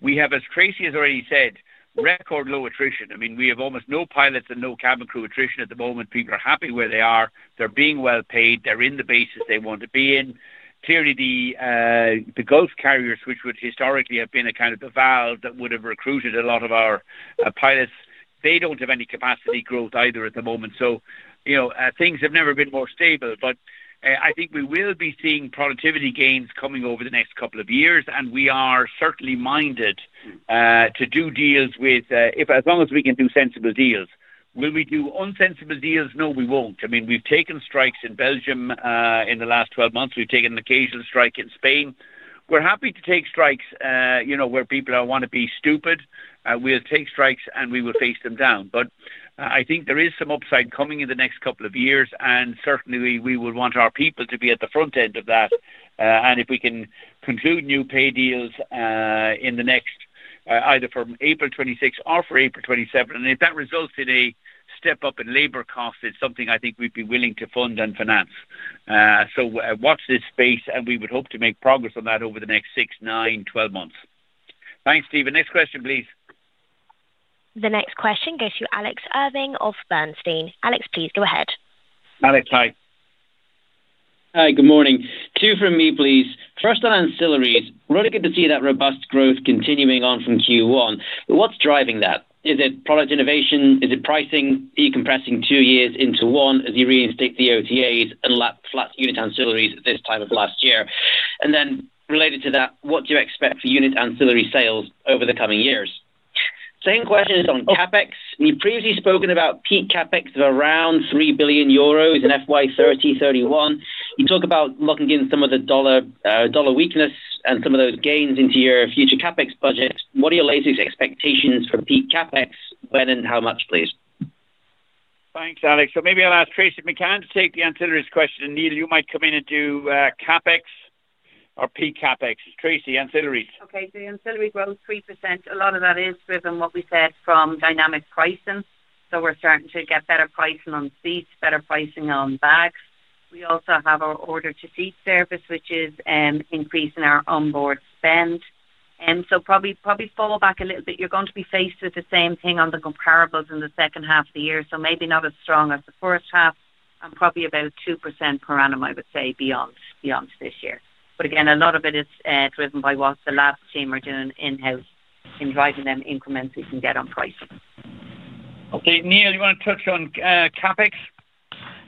Speaker 2: We have, as Tracey has already said, record low attrition. I mean, we have almost no pilots and no cabin crew attrition at the moment. People are happy where they are. They're being well paid. They're in the bases they want to be in. Clearly, the Gulf carriers, which would historically have been a kind of a valve that would have recruited a lot of our pilots, they don't have any capacity growth either at the moment. Things have never been more stable. I think we will be seeing productivity gains coming over the next couple of years. We are certainly minded to do deals with, as long as we can do sensible deals. Will we do unsensible deals? No, we won't. I mean, we've taken strikes in Belgium in the last 12 months. We've taken an occasional strike in Spain. We're happy to take strikes where people don't want to be stupid. We'll take strikes, and we will face them down. I think there is some upside coming in the next couple of years. Certainly, we would want our people to be at the front end of that. If we can conclude new pay deals in the next either from April 2026 or for April 2027, and if that results in a step up in labor costs, it's something I think we'd be willing to fund and finance. Watch this space, and we would hope to make progress on that over the next six, nine, 12 months. Thanks, Stephen. Next question, please.
Speaker 1: The next question goes to Alex Irving of Bernstein. Alex, please go ahead.
Speaker 2: Alex, hi.
Speaker 12: Hi. Good morning. Two from me, please. First on ancillaries, really good to see that robust growth continuing on from Q1. What's driving that? Is it product innovation? Is it pricing decompressing two years into one as you reinstate the OTAs and flat unit ancillaries this time of last year? And then related to that, what do you expect for unit ancillary sales over the coming years? Same question is on CapEx. You've previously spoken about peak CapEx of around 3 billion euros in fiscal year 2030-2031. You talk about locking in some of the dollar weakness and some of those gains into your future CapEx budget. What are your latest expectations for peak CapEx, when and how much, please?
Speaker 2: Thanks, Alex. Maybe I'll ask Tracey McCann to take the ancillaries question. Neil, you might come in and do CapEx or peak CapEx. Tracey, ancillaries.
Speaker 8: Okay. The ancillaries grow 3%. A lot of that is driven what we said from dynamic pricing. We're starting to get better pricing on seats, better pricing on bags. We also have our order-to-seat service, which is increasing our onboard spend. Probably fall back a little bit. You're going to be faced with the same thing on the comparables in the second half of the year. Maybe not as strong as the first half and probably about 2% per annum, I would say, beyond this year. Again, a lot of it is driven by what the labs team are doing in-house and driving the increments we can get on pricing.
Speaker 2: Okay. Neil, you want to touch on CapEx?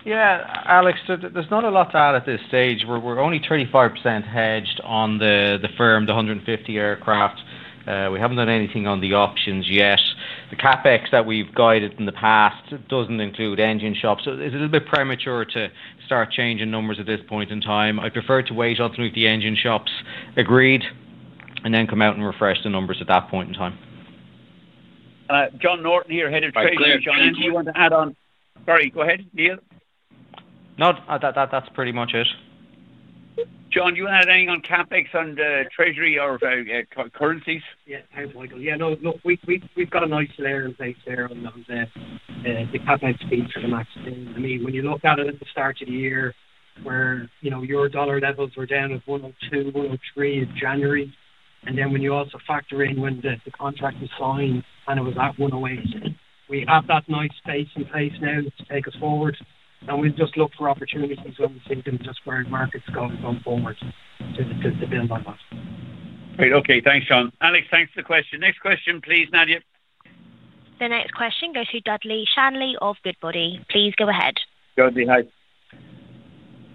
Speaker 3: Yeah. Alex, there's not a lot to add at this stage. We're only 35% hedged on the firm, the 150 aircraft. We haven't done anything on the options yet. The CapEx that we've guided in the past doesn't include engine shops. It's a little bit premature to start changing numbers at this point in time. I'd prefer to wait until the engine shop's agreed and then come out and refresh the numbers at that point in time.
Speaker 2: John Norton here, Head of Treasury. John, do you want to add on? Sorry. Go ahead, Neil.
Speaker 3: No, that's pretty much it.
Speaker 2: John, do you want to add anything on CapEx and treasury or currencies?
Speaker 13: Yeah. Hi, Michael. Yeah. No, look, we've got a nice layer in place there on the CapEx fees for the MAX 10. I mean, when you look at it at the start of the year, where your dollar levels were down at $1.02, $1.03 in January. And then when you also factor in when the contract was signed and it was at $1.08, we have that nice space in place now to take us forward. We'll just look for opportunities when we see them just where markets go going forward to build on that.
Speaker 2: Right. Okay. Thanks, John. Alex, thanks for the question. Next question, please, Nadia.
Speaker 1: The next question goes to Dudley Shanley of Goodbody. Please go ahead.
Speaker 2: Dudley, hi.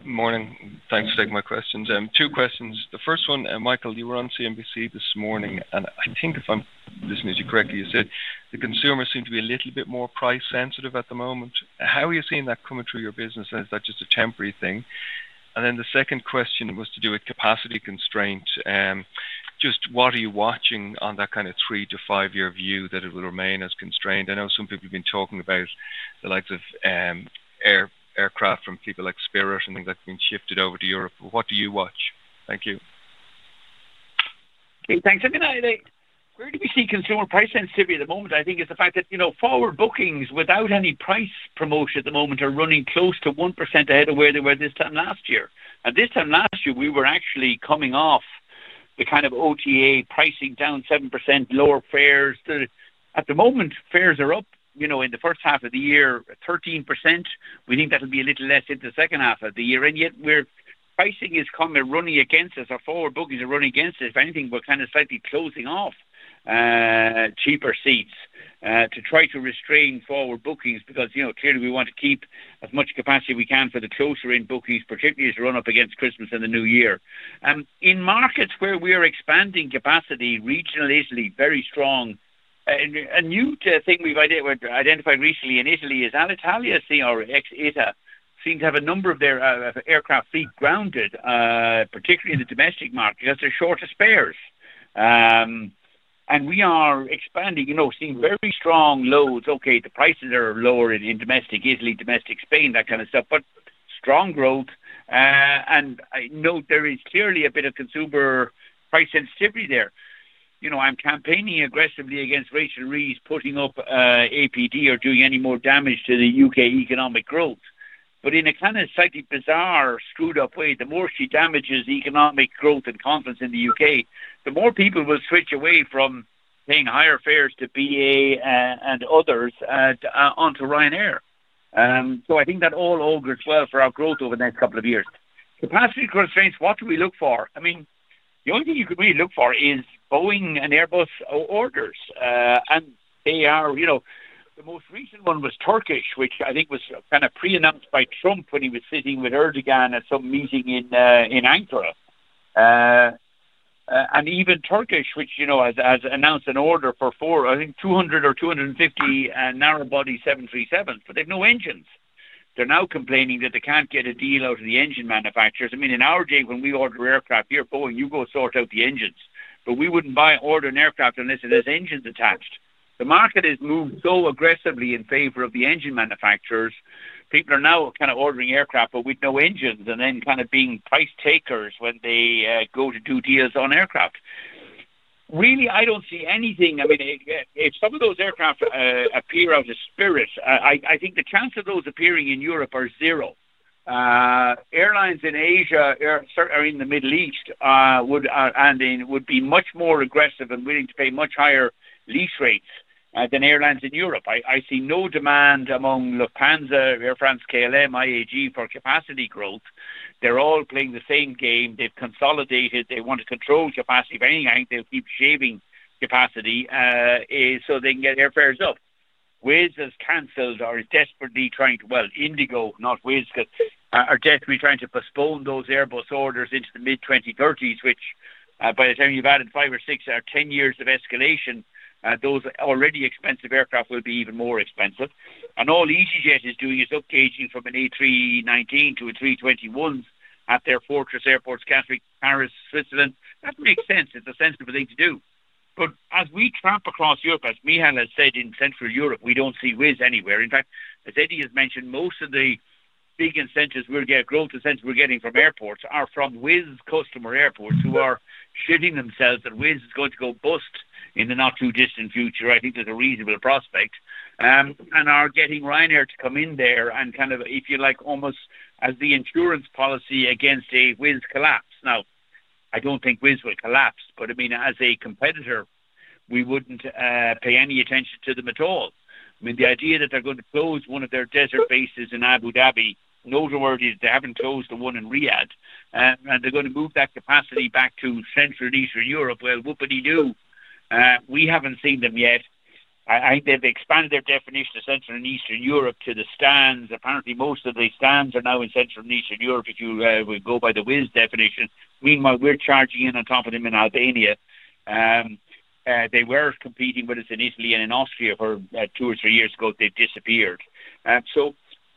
Speaker 14: Morning. Thanks for taking my questions. Two questions. The first one, Michael, you were on CNBC this morning. I think if I'm listening to you correctly, you said the consumers seem to be a little bit more price-sensitive at the moment. How are you seeing that coming through your business? Is that just a temporary thing? The second question was to do with capacity constraint. Just what are you watching on that kind of three to five-year view that it will remain as constrained? I know some people have been talking about the likes of aircraft from people like Spirit and things that have been shifted over to Europe. What do you watch? Thank you.
Speaker 2: Okay. Thanks. I mean, where do we see consumer price sensitivity at the moment? I think it's the fact that forward bookings without any price promotion at the moment are running close to 1% ahead of where they were this time last year. This time last year, we were actually coming off the kind of OTA pricing down 7%, lower fares. At the moment, fares are up in the first half of the year, 13%. We think that'll be a little less in the second half of the year. Yet, pricing is coming running against us. Our forward bookings are running against us. If anything, we're kind of slightly closing off cheaper seats to try to restrain forward bookings because clearly, we want to keep as much capacity as we can for the closer-in bookings, particularly as we run up against Christmas and the New Year. In markets where we are expanding capacity, regional Italy, very strong. A new thing we've identified recently in Italy is Alitalia's CRX-8A seems to have a number of their aircraft fleet grounded, particularly in the domestic market because they're short of spares. We are expanding, seeing very strong loads. Okay. The prices are lower in domestic Italy, domestic Spain, that kind of stuff, but strong growth. I note there is clearly a bit of consumer price sensitivity there. I'm campaigning aggressively against Rachel Reeves putting up APD or doing any more damage to the U.K. economic growth. In a kind of slightly bizarre, screwed-up way, the more she damages economic growth and confidence in the U.K., the more people will switch away from paying higher fares to BA and others onto Ryanair. I think that all augurs well for our growth over the next couple of years. Capacity constraints, what do we look for? I mean, the only thing you could really look for is Boeing and Airbus orders. They are. The most recent one was Turkish, which I think was kind of pre-announced by Trump when he was sitting with Erdogan at some meeting in Ankara. Even Turkish, which has announced an order for, I think, 200 or 250 narrowbody 737s, but they have no engines. They're now complaining that they can't get a deal out of the engine manufacturers. I mean, in our day, when we order aircraft here, Boeing, you go sort out the engines. We wouldn't order an aircraft unless it has engines attached. The market has moved so aggressively in favor of the engine manufacturers. People are now kind of ordering aircraft but with no engines and then kind of being price takers when they go to do deals on aircraft. Really, I don't see anything. If some of those aircraft appear out of Spirit, I think the chance of those appearing in Europe are zero. Airlines in Asia, certainly in the Middle East, would be much more aggressive and willing to pay much higher lease rates than airlines in Europe. I see no demand among Lufthansa, Air France, KLM, IAG for capacity growth. They're all playing the same game. They've consolidated. They want to control capacity. If anything, I think they'll keep shaving capacity so they can get airfares up. Wizz has canceled or is desperately trying to, well, IndiGo, not Wizz, are desperately trying to postpone those Airbus orders into the mid-2030s, which by the time you've added five or six or ten years of escalation, those already expensive aircraft will be even more expensive. All EasyJet is doing is upgrading from an A319 to a 321 at their fortress airports, Gatwick, Paris, Switzerland. That makes sense. It's a sensible thing to do. As we tramp across Europe, as Michael has said in Central Europe, we don't see Wizz anywhere. In fact, as Eddie has mentioned, most of the big incentives, growth incentives we're getting from airports are from Wizz customer airports who are shitting themselves that Wizz is going to go bust in the not-too-distant future. I think there's a reasonable prospect. And are getting Ryanair to come in there and kind of, if you like, almost as the insurance policy against a Wizz collapse. Now, I don't think Wizz will collapse, but I mean, as a competitor, we wouldn't pay any attention to them at all. I mean, the idea that they're going to close one of their desert bases in Abu Dhabi, noteworthy is they haven't closed the one in Riyadh. They're going to move that capacity back to Central and Eastern Europe. What would he do? We haven't seen them yet. I think they've expanded their definition of Central and Eastern Europe to the -stans. Apparently, most of the -stans are now in Central and Eastern Europe if you go by the Wizz definition. Meanwhile, we're charging in on top of them in Albania. They were competing with us in Italy and in Austria two or three years ago. They've disappeared.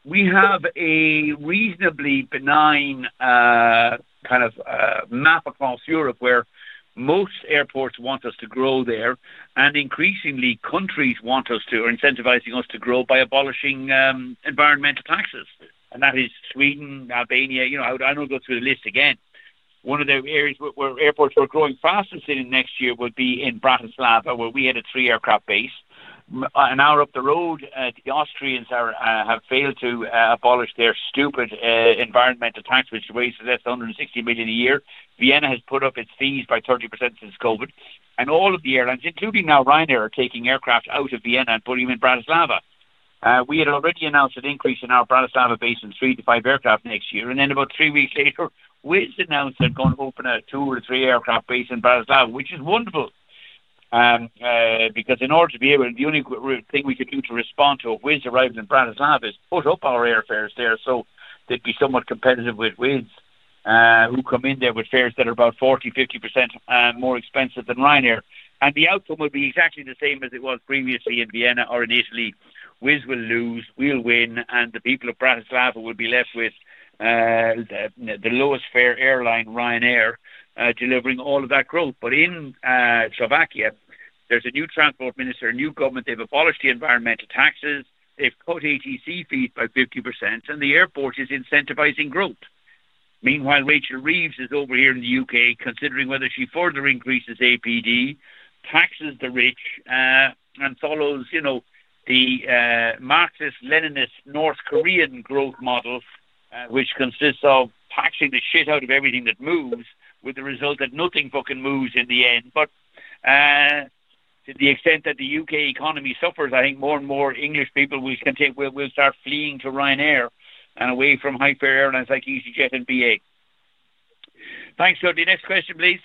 Speaker 2: We have a reasonably benign kind of map across Europe where most airports want us to grow there. Increasingly, countries want us to or are incentivizing us to grow by abolishing environmental taxes. That is Sweden, Albania. I don't go through the list again. One of the areas where airports are growing fastest next year would be in Bratislava, where we had a three-aircraft base. An hour up the road, the Austrians have failed to abolish their stupid environmental tax, which raises less than 160 million a year. Vienna has put up its fees by 30% since COVID. All of the airlines, including now Ryanair, are taking aircraft out of Vienna and putting them in Bratislava. We had already announced an increase in our Bratislava base to three to five aircraft next year. About three weeks later, Wizz announced they're going to open a two or three-aircraft base in Bratislava, which is wonderful. Because in order to be able to—the only thing we could do to respond to a Wizz arriving in Bratislava is put up our airfares there so they'd be somewhat competitive with Wizz. Who come in there with fares that are about 40%-50% more expensive than Ryanair. The outcome would be exactly the same as it was previously in Vienna or in Italy. Wizz will lose. We'll win. The people of Bratislava will be left with the lowest fare airline, Ryanair, delivering all of that growth. In Slovakia, there is a new transport minister, a new government. They have abolished the environmental taxes. They have cut ATC fees by 50%. The airport is incentivizing growth. Meanwhile, Rachel Reeves is over here in the U.K. considering whether she further increases APD, taxes the rich, and follows the Marxist-Leninist North Korean growth model, which consists of taxing the shit out of everything that moves, with the result that nothing fucking moves in the end. To the extent that the U.K. economy suffers, I think more and more English people will start fleeing to Ryanair and away from high-fare airlines like EasyJet and BA. Thanks, Dudley. Next question, please.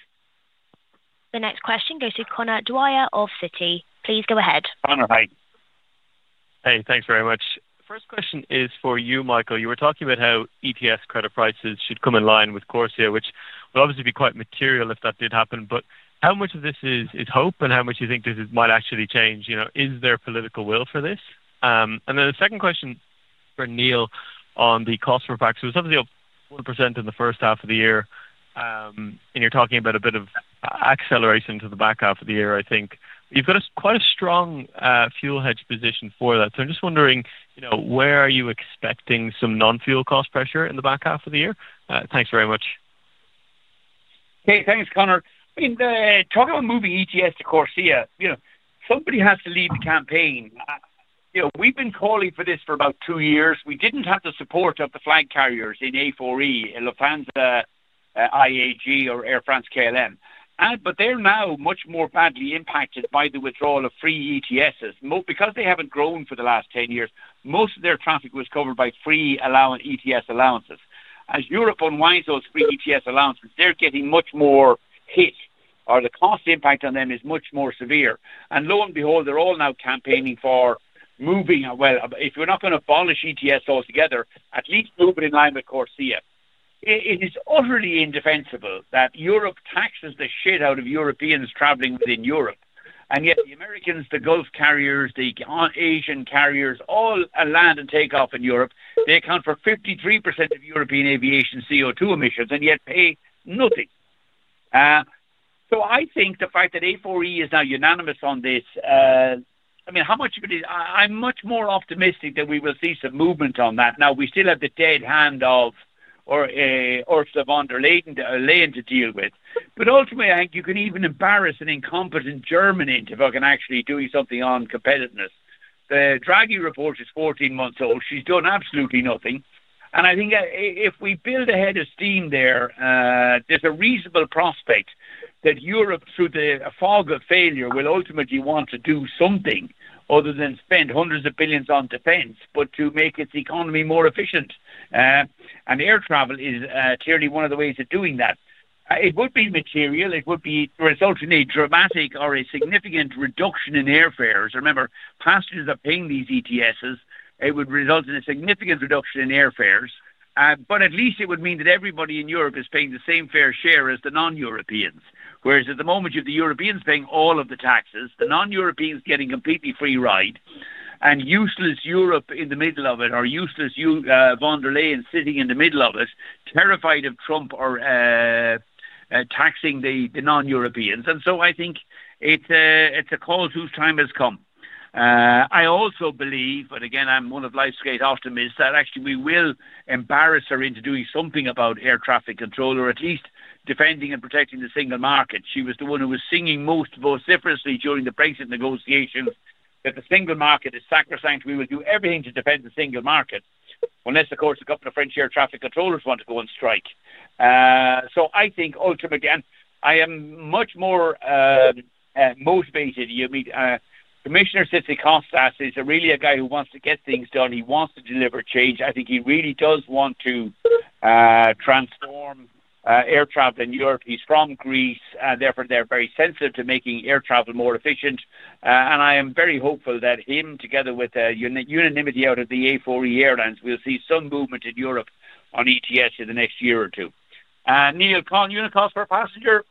Speaker 1: The next question goes to Connor Dwyer of Citi. Please go ahead.
Speaker 2: Connor, hi.
Speaker 15: Hey, thanks very much. The first question is for you, Michael. You were talking about how ETS credit prices should come in line with Corsia, which would obviously be quite material if that did happen. How much of this is hope and how much do you think this might actually change? Is there political will for this? The second question for Neil on the cost for practice. It was obviously up 1% in the first half of the year. You are talking about a bit of acceleration to the back half of the year, I think. You have got quite a strong fuel hedge position for that. I am just wondering, where are you expecting some non-fuel cost pressure in the back half of the year? Thanks very much.
Speaker 2: Okay. Thanks, Connor. I mean, talking about moving ETS to Corsia, somebody has to lead the campaign. We have been calling for this for about two years. We did not have the support of the flag carriers in A4E, Lufthansa, IAG, or Air France, KLM. They are now much more badly impacted by the withdrawal of free ETSs. Because they have not grown for the last 10 years, most of their traffic was covered by free ETS allowances. As Europe unwinds those free ETS allowances, they are getting much more hit, or the cost impact on them is much more severe. Lo and behold, they are all now campaigning for moving—if you are not going to abolish ETS altogether, at least move it in line with Corsia. It is utterly indefensible that Europe taxes the shit out of Europeans traveling within Europe. Yet the Americans, the Gulf carriers, the Asian carriers, all land and take off in Europe. They account for 53% of European aviation CO2 emissions and yet pay nothing. I think the fact that A4E is now unanimous on this, I mean, how much of it is—I'm much more optimistic that we will see some movement on that. We still have the dead hand of Ursula von der Leyen to deal with. Ultimately, I think you can even embarrass an incompetent German into fucking actually doing something on competitiveness. The Draghi report is 14 months old. She's done absolutely nothing. I think if we build a head of steam there, there's a reasonable prospect that Europe, through the fog of failure, will ultimately want to do something other than spend hundreds of billions on defense, but to make its economy more efficient. Air travel is clearly one of the ways of doing that. It would be material. It would result in a dramatic or a significant reduction in airfares. Remember, passengers are paying these ETSs. It would result in a significant reduction in airfares. At least it would mean that everybody in Europe is paying the same fair share as the non-Europeans. Whereas at the moment, you have the Europeans paying all of the taxes, the non-Europeans getting a completely free ride, and useless Europe in the middle of it, or useless von der Leyen sitting in the middle of it, terrified of Trump or taxing the non-Europeans. I think it's a call whose time has come. I also believe, and again, I'm one of life's great optimists, that actually we will embarrass her into doing something about air traffic control, or at least defending and protecting the single market. She was the one who was singing most vociferously during the Brexit negotiations that the single market is sacrosanct. We will do everything to defend the single market, unless, of course, a couple of French air traffic controllers want to go on strike. I think ultimately, and I am much more motivated. Commissioner Sitze-Kostas is really a guy who wants to get things done. He wants to deliver change. I think he really does want to transform air travel in Europe. He's from Greece. Therefore, they're very sensitive to making air travel more efficient. I am very hopeful that him, together with the unanimity out of the A4E airlines, will see some movement in Europe on ETS in the next year or two. Neil, Conn, you want to call us for a passenger?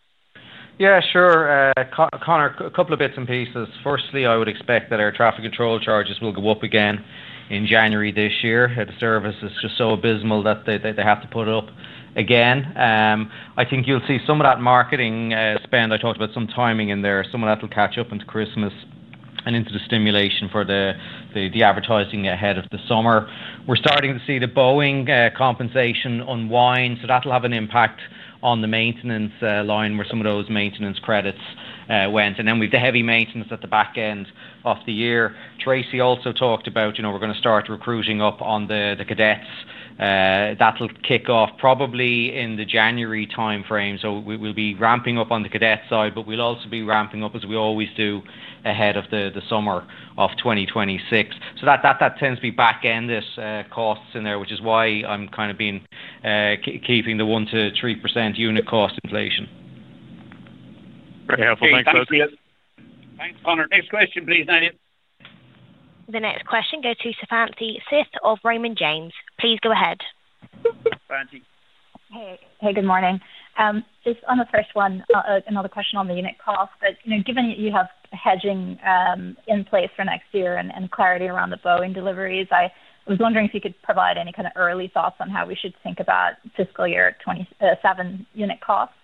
Speaker 3: Yeah, sure. Connor, a couple of bits and pieces. Firstly, I would expect that air traffic control charges will go up again in January this year. The service is just so abysmal that they have to put it up again. I think you'll see some of that marketing spend. I talked about some timing in there. Some of that will catch up into Christmas and into the stimulation for the advertising ahead of the summer. We're starting to see the Boeing compensation unwind. That'll have an impact on the maintenance line where some of those maintenance credits went. We have the heavy maintenance at the back end of the year. Tracey also talked about we're going to start recruiting up on the cadets. That will kick off probably in the January timeframe. We will be ramping up on the cadet side, but we will also be ramping up, as we always do, ahead of the summer of 2026. That tends to be back-end costs in there, which is why I am kind of being. Keeping the 1%-3% unit cost inflation.
Speaker 15: Very helpful. Thanks, folks.
Speaker 2: Thanks, Connor. Next question, please, Nadia.
Speaker 1: The next question goes to Savanthi Syth of Raymond James. Please go ahead.
Speaker 2: Savanthi.
Speaker 16: Hey, good morning. Just on the first one, another question on the unit cost. Given that you have hedging in place for next year and clarity around the Boeing deliveries, I was wondering if you could provide any kind of early thoughts on how we should think about fiscal year 2027 unit costs.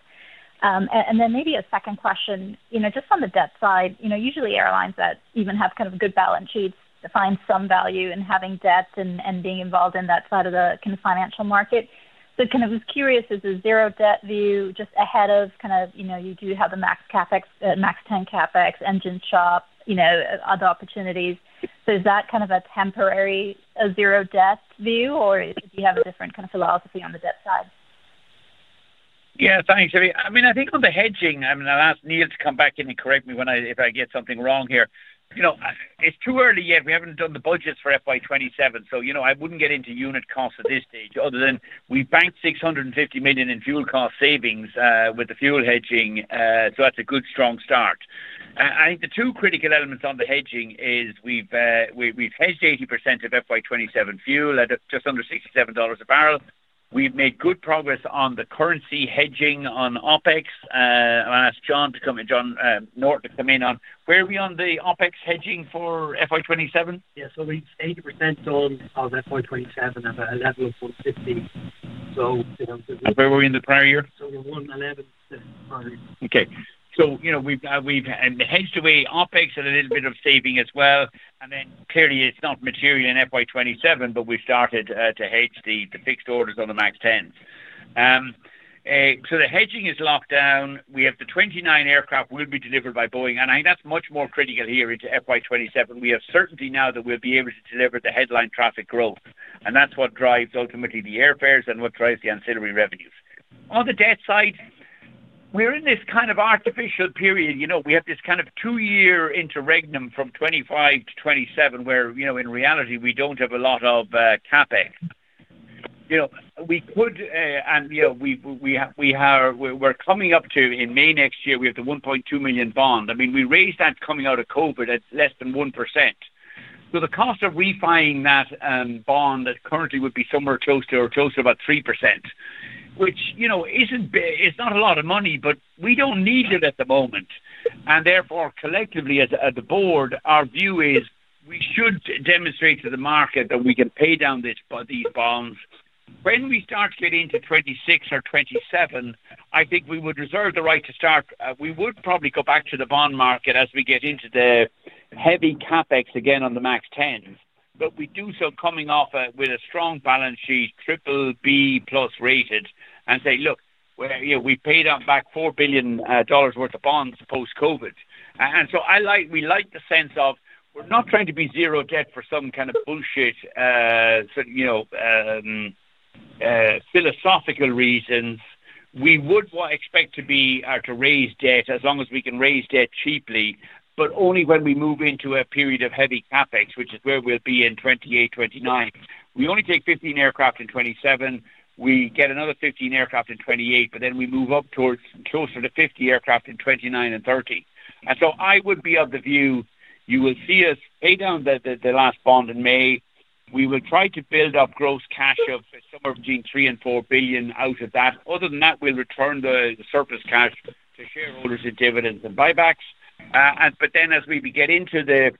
Speaker 16: Maybe a second question, just on the debt side. Usually, airlines that even have kind of good balance sheets find some value in having debt and being involved in that side of the financial market. I was curious, is the zero debt view just ahead of kind of you do have the MAX 10 CapEx, engine shop, other opportunities. Is that kind of a temporary zero debt view, or do you have a different kind of philosophy on the debt side?
Speaker 2: Yeah, thanks, Savanthi. I mean, I think on the hedging, I will ask Neil to come back in and correct me if I get something wrong here. It is too early yet. We have not done the budgets for FY 2027. I would not get into unit cost at this stage other than we have banked 650 million in fuel cost savings with the fuel hedging. That is a good, strong start. I think the two critical elements on the hedging are we have hedged 80% of FY 2027 fuel at just under $67 a barrel. We have made good progress on the currency hedging on OpEx. I am going to ask John to come in, John Norton, to come in on where are we on the OpEx hedging for FY 2027.
Speaker 13: Yeah. It is 80% on FY 2027 at a level of 1.50.
Speaker 2: Where were we in the prior year?
Speaker 13: We were 1.116 prior year.
Speaker 2: We have hedged away OpEx and a little bit of saving as well. It is not material in FY 2027, but we have started to hedge the fixed orders on the MAX 10s. The hedging is locked down. We have the 29 aircraft that will be delivered by Boeing. I think that is much more critical here into FY 2027. We have certainty now that we will be able to deliver the headline traffic growth. That is what drives ultimately the airfares and what drives the ancillary revenues. On the debt side, we are in this kind of artificial period. We have this kind of two-year interregnum from 2025 to 2027 where, in reality, we do not have a lot of CapEx. We could, and we are coming up to, in May next year, we have the 1.2 billion bond. I mean, we raised that coming out of COVID at less than 1%. The cost of refinancing that bond currently would be somewhere close to or close to about 3%, which is not a lot of money, but we do not need it at the moment. Therefore, collectively, at the board, our view is we should demonstrate to the market that we can pay down these bonds. When we start getting into 2026 or 2027, I think we would reserve the right to start. We would probably go back to the bond market as we get into the heavy CapEx again on the MAX 10s. We do so coming off with a strong balance sheet, BBB+ rated, and say, "Look, we have paid out back $4 billion worth of bonds post-COVID." We like the sense of we are not trying to be zero debt for some kind of bullshit philosophical reasons. We would expect to raise debt as long as we can raise debt cheaply, but only when we move into a period of heavy CapEx, which is where we will be in 2028, 2029. We only take 15 aircraft in 2027. We get another 15 aircraft in 2028, but then we move up towards closer to 50 aircraft in 2029 and 2030. I would be of the view you will see us pay down the last bond in May. We will try to build up gross cash of somewhere between 3 billion and 4 billion out of that. Other than that, we will return the surplus cash to shareholders in dividends and buybacks. As we get into the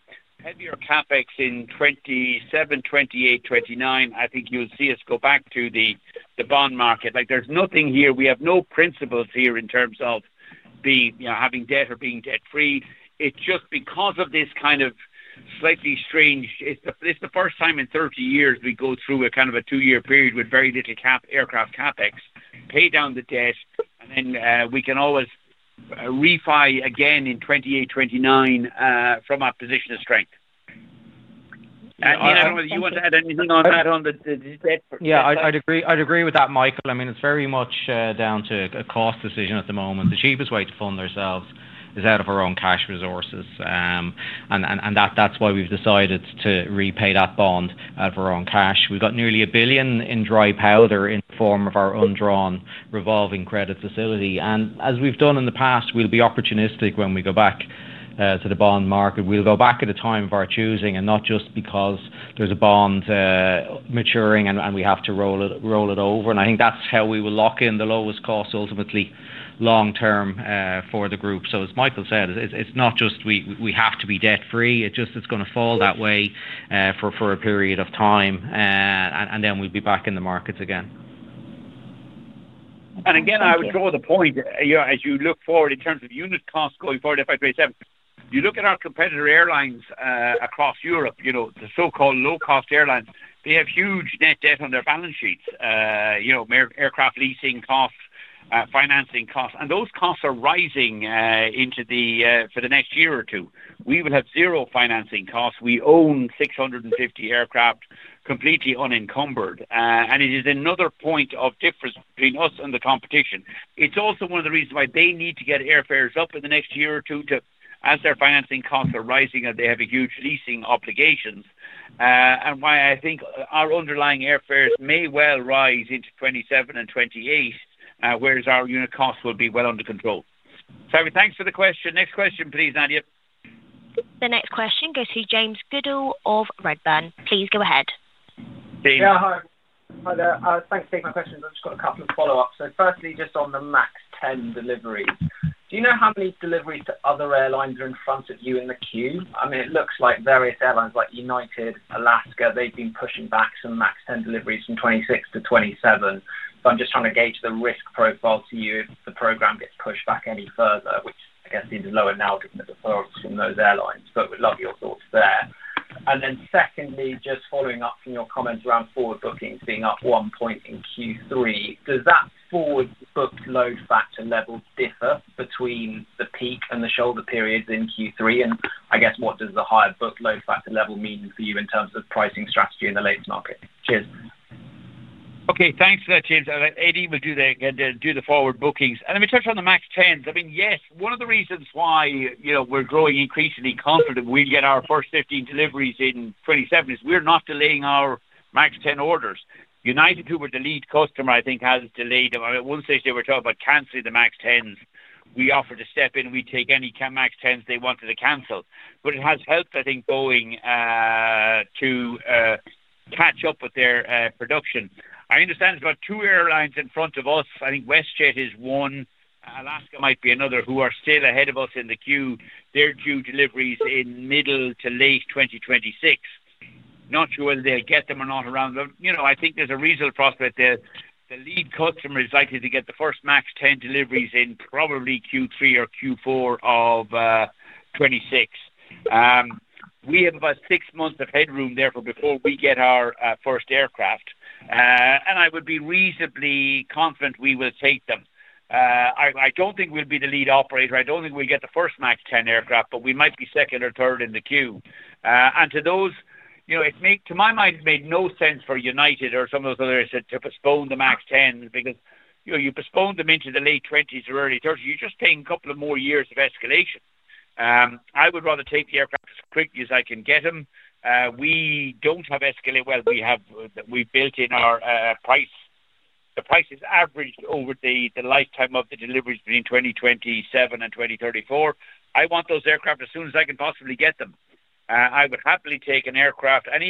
Speaker 2: heavier CapEx in 2027, 2028, 2029, I think you will see us go back to the bond market. There is nothing here. We have no principles here in terms of having debt or being debt-free. It is just because of this kind of slightly strange—it is the first time in 30 years we go through a kind of a two-year period with very little aircraft CapEx, pay down the debt, and then we can always refi again in 2028, 2029 from our position of strength. I do not know whether you want to add anything on that on the debt?
Speaker 3: Yeah, I would agree with that, Michael. I mean, it is very much down to a cost decision at the moment. The cheapest way to fund ourselves is out of our own cash resources. That is why we have decided to repay that bond out of our own cash. We have got nearly 1 billion in dry powder in the form of our undrawn revolving credit facility. As we have done in the past, we will be opportunistic when we go back to the bond market. We'll go back at a time of our choosing and not just because there's a bond maturing and we have to roll it over. I think that's how we will lock in the lowest cost ultimately long-term for the group. As Michael said, it's not just we have to be debt-free. It's just it's going to fall that way for a period of time. Then we'll be back in the markets again.
Speaker 2: Again, I would draw the point as you look forward in terms of unit cost going forward FY 2027. You look at our competitor airlines across Europe, the so-called low-cost airlines, they have huge net debt on their balance sheets. Aircraft leasing costs, financing costs. Those costs are rising for the next year or two. We will have zero financing costs. We own 650 aircraft completely unencumbered. It is another point of difference between us and the competition. It's also one of the reasons why they need to get airfares up in the next year or two as their financing costs are rising and they have huge leasing obligations. I think our underlying airfares may well rise into 2027 and 2028, whereas our unit costs will be well under control. Thanks for the question. Next question, please, Nadia.
Speaker 1: The next question goes to James Goodall of Redburn. Please go ahead.
Speaker 2: James.
Speaker 17: Yeah, hi. Thanks for taking my questions. I've just got a couple of follow-ups. Firstly, just on the MAX 10 deliveries, do you know how many deliveries to other airlines are in front of you in the queue? I mean, it looks like various airlines like United, Alaska, they've been pushing back some MAX 10 deliveries from 2026 to 2027. I'm just trying to gauge the risk profile to you if the program gets pushed back any further, which I guess seems lower now given the performance from those airlines. We'd love your thoughts there. Secondly, just following up from your comments around forward bookings being up one point in Q3, does that forward booked load factor level differ between the peak and the shoulder periods in Q3? What does the higher booked load factor level mean for you in terms of pricing strategy in the latest market? Cheers.
Speaker 2: Okay. Thanks for that, James. Eddie will do the forward bookings. Let me touch on the MAX 10s. Yes, one of the reasons why we're growing increasingly confident we get our first 15 deliveries in 2027 is we're not delaying our MAX 10 orders. United, who were the lead customer, I think, has delayed. I won't say they were talking about canceling the MAX 10s. We offered to step in. We'd take any MAX 10s they wanted to cancel. It has helped, I think, Boeing to catch up with their production. I understand there's about two airlines in front of us. I think WestJet is one. Alaska might be another who are still ahead of us in the queue. They're due deliveries in middle to late 2026. Not sure whether they'll get them or not around. I think there's a reasonable prospect that the lead customer is likely to get the first MAX 10 deliveries in probably Q3 or Q4 of 2026. We have about six months of headroom therefore before we get our first aircraft. And I would be reasonably confident we will take them. I don't think we'll be the lead operator. I don't think we'll get the first MAX 10 aircraft, but we might be second or third in the queue. To those, to my mind, it made no sense for United or some of those others to postpone the MAX 10s because you postpone them into the late 2020s or early 2030s, you're just paying a couple of more years of escalation. I would rather take the aircraft as quickly as I can get them. We don't have escalated. Well, we've built in our price. The price is averaged over the lifetime of the deliveries between 2027 and 2034. I want those aircraft as soon as I can possibly get them. I would happily take any aircraft that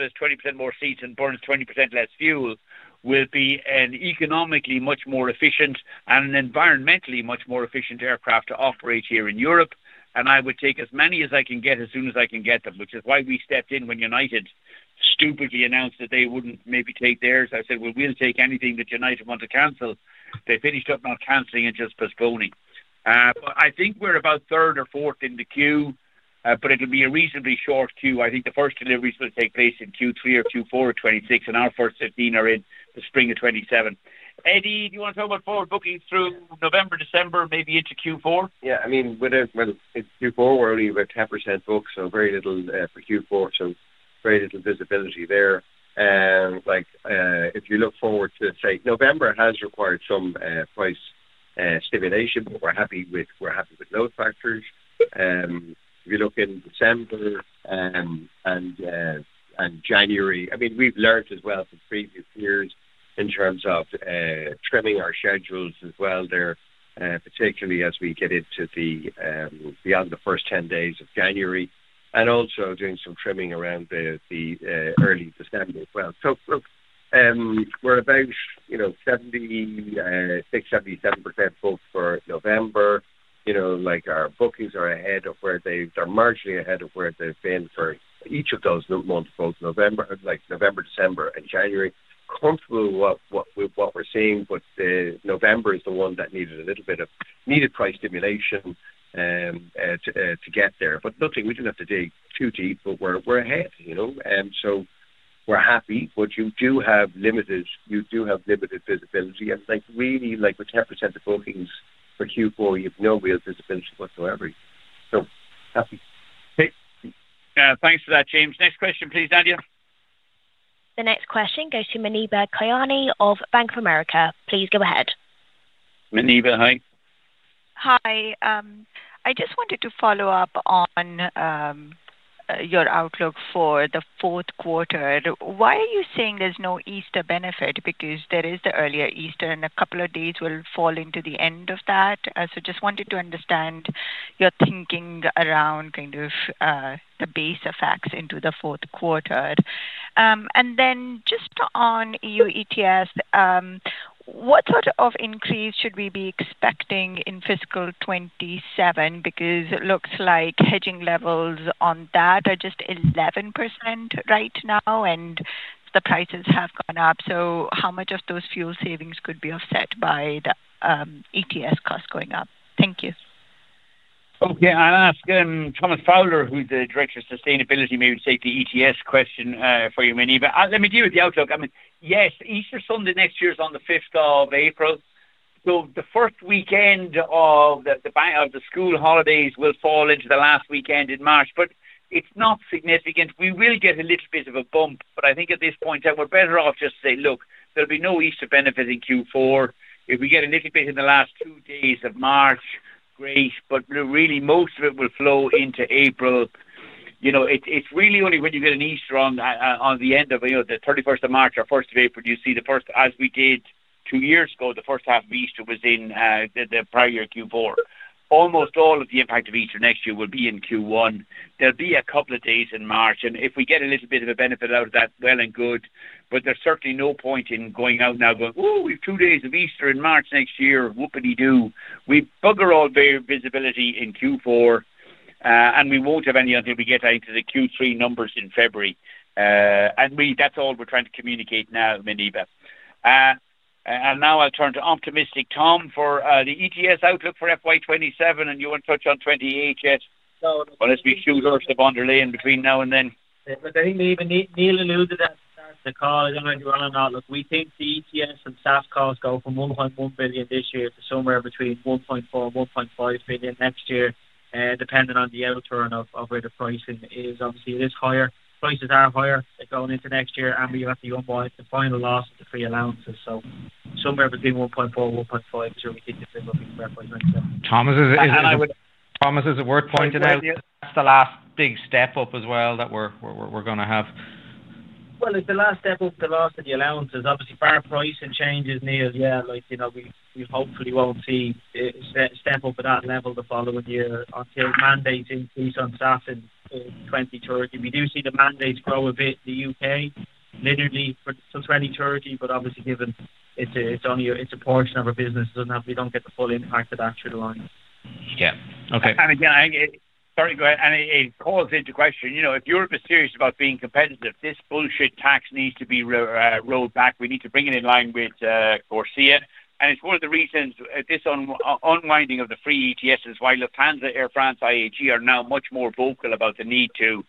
Speaker 2: has 20% more seats and burns 20% less fuel, will be an economically much more efficient and an environmentally much more efficient aircraft to operate here in Europe. I would take as many as I can get as soon as I can get them, which is why we stepped in when United stupidly announced that they wouldn't maybe take theirs. I said, "We'll take anything that United want to cancel." They finished up not canceling and just postponing. I think we're about third or fourth in the queue, but it'll be a reasonably short queue. I think the first deliveries will take place in Q3 or Q4 of 2026, and our first 15 are in the spring of 2027. Eddie, do you want to talk about forward bookings through November, December, maybe into Q4?
Speaker 5: Yeah. I mean, it's Q4. We're only about 10% booked, so very little for Q4, so very little visibility there. If you look forward to, say, November has required some price stimulation, but we're happy with load factors. If you look in December and January, I mean, we've learned as well from previous years in terms of trimming our schedules as well there, particularly as we get into the first 10 days of January and also doing some trimming around the early December as well. We're about 76%-77% booked for November. Our bookings are ahead of where they are, marginally ahead of where they've been for each of those months, both November, December, and January. Comfortable with what we're seeing, but November is the one that needed a little bit of needed price stimulation to get there. Look, we didn't have to dig too deep, but we're ahead. We are happy, but you do have limited visibility. With 10% of bookings for Q4, you have no real visibility whatsoever. Happy.
Speaker 2: Thanks for that, James. Next question, please, Nadia.
Speaker 1: The next question goes to Muneeba Kayani of Bank of America. Please go ahead.
Speaker 2: Muneeba, hi.
Speaker 18: Hi. I just wanted to follow up on your outlook for the fourth quarter. Why are you saying there is no Easter benefit? Because there is the earlier Easter, and a couple of days will fall into the end of that. I just wanted to understand your thinking around the base effects into the fourth quarter. And then just on your ETS, what sort of increase should we be expecting in fiscal 2027? Because it looks like hedging levels on that are just 11% right now, and the prices have gone up. How much of those fuel savings could be offset by the ETS cost going up? Thank you.
Speaker 2: I will ask Thomas Fowler, who is the Director of Sustainability, maybe to take the ETS question for you, Muneeba.
Speaker 19: Let me deal with the outlook. Easter Sunday next year is on the 5th of April. The first weekend of the school holidays will fall into the last weekend in March. It is not significant. We will get a little bit of a bump, but I think at this point in time, we are better off just to say, "Look, there will be no Easter benefit in Q4." If we get a little bit in the last two days of March, great. Most of it will flow into April. It is really only when you get an Easter on the end of the 31st of March or 1st of April, you see the first, as we did two years ago, the first half of Easter was in the prior year Q4. Almost all of the impact of Easter next year will be in Q1. There will be a couple of days in March. If we get a little bit of a benefit out of that, well and good. There is certainly no point in going out now going, "Ooh, we have two days of Easter in March next year. What can we do?" We have bugger all visibility in Q4. We will not have any until we get into the Q3 numbers in February. That is all we are trying to communicate now, Muneeba. Now I will turn to optimistic Tom for the ETS outlook for FY 2027. You want to touch on 20HS? There is a bundle in between now and then. I think, Muneeba, nearly a little bit at the start of the call, I do not know if you want to know. We think the ETS and SAS costs go from 1.1 billion this year to somewhere between 1.4 billion-1.5 billion next year, depending on the outturn of where the pricing is. Obviously, it is higher. Prices are higher going into next year, and we have to unwind the final loss of the free allowances. Somewhere between 1.4 and 1.5 is where we think the thing will be for FY 2027.
Speaker 2: Thomas, is it worth pointing out that's the last big step up as well that we're going to have?
Speaker 19: It's the last step up, the last of the allowances. Obviously, bar pricing changes, Neil. We hopefully won't see a step up at that level the following year until mandates increase on SAF in 2030. We do see the mandates grow a bit in the U.K., literally for 2030, but obviously, given it's a portion of our business, we don't get the full impact of that through the line.
Speaker 2: Okay. Again, sorry, go ahead.
Speaker 19: It calls into question, if you're serious about being competitive, this bullshit tax needs to be rolled back. We need to bring it in line with Corsia. It's one of the reasons this unwinding of the free ETS is why Lufthansa, Air France, IAG are now much more vocal about the need to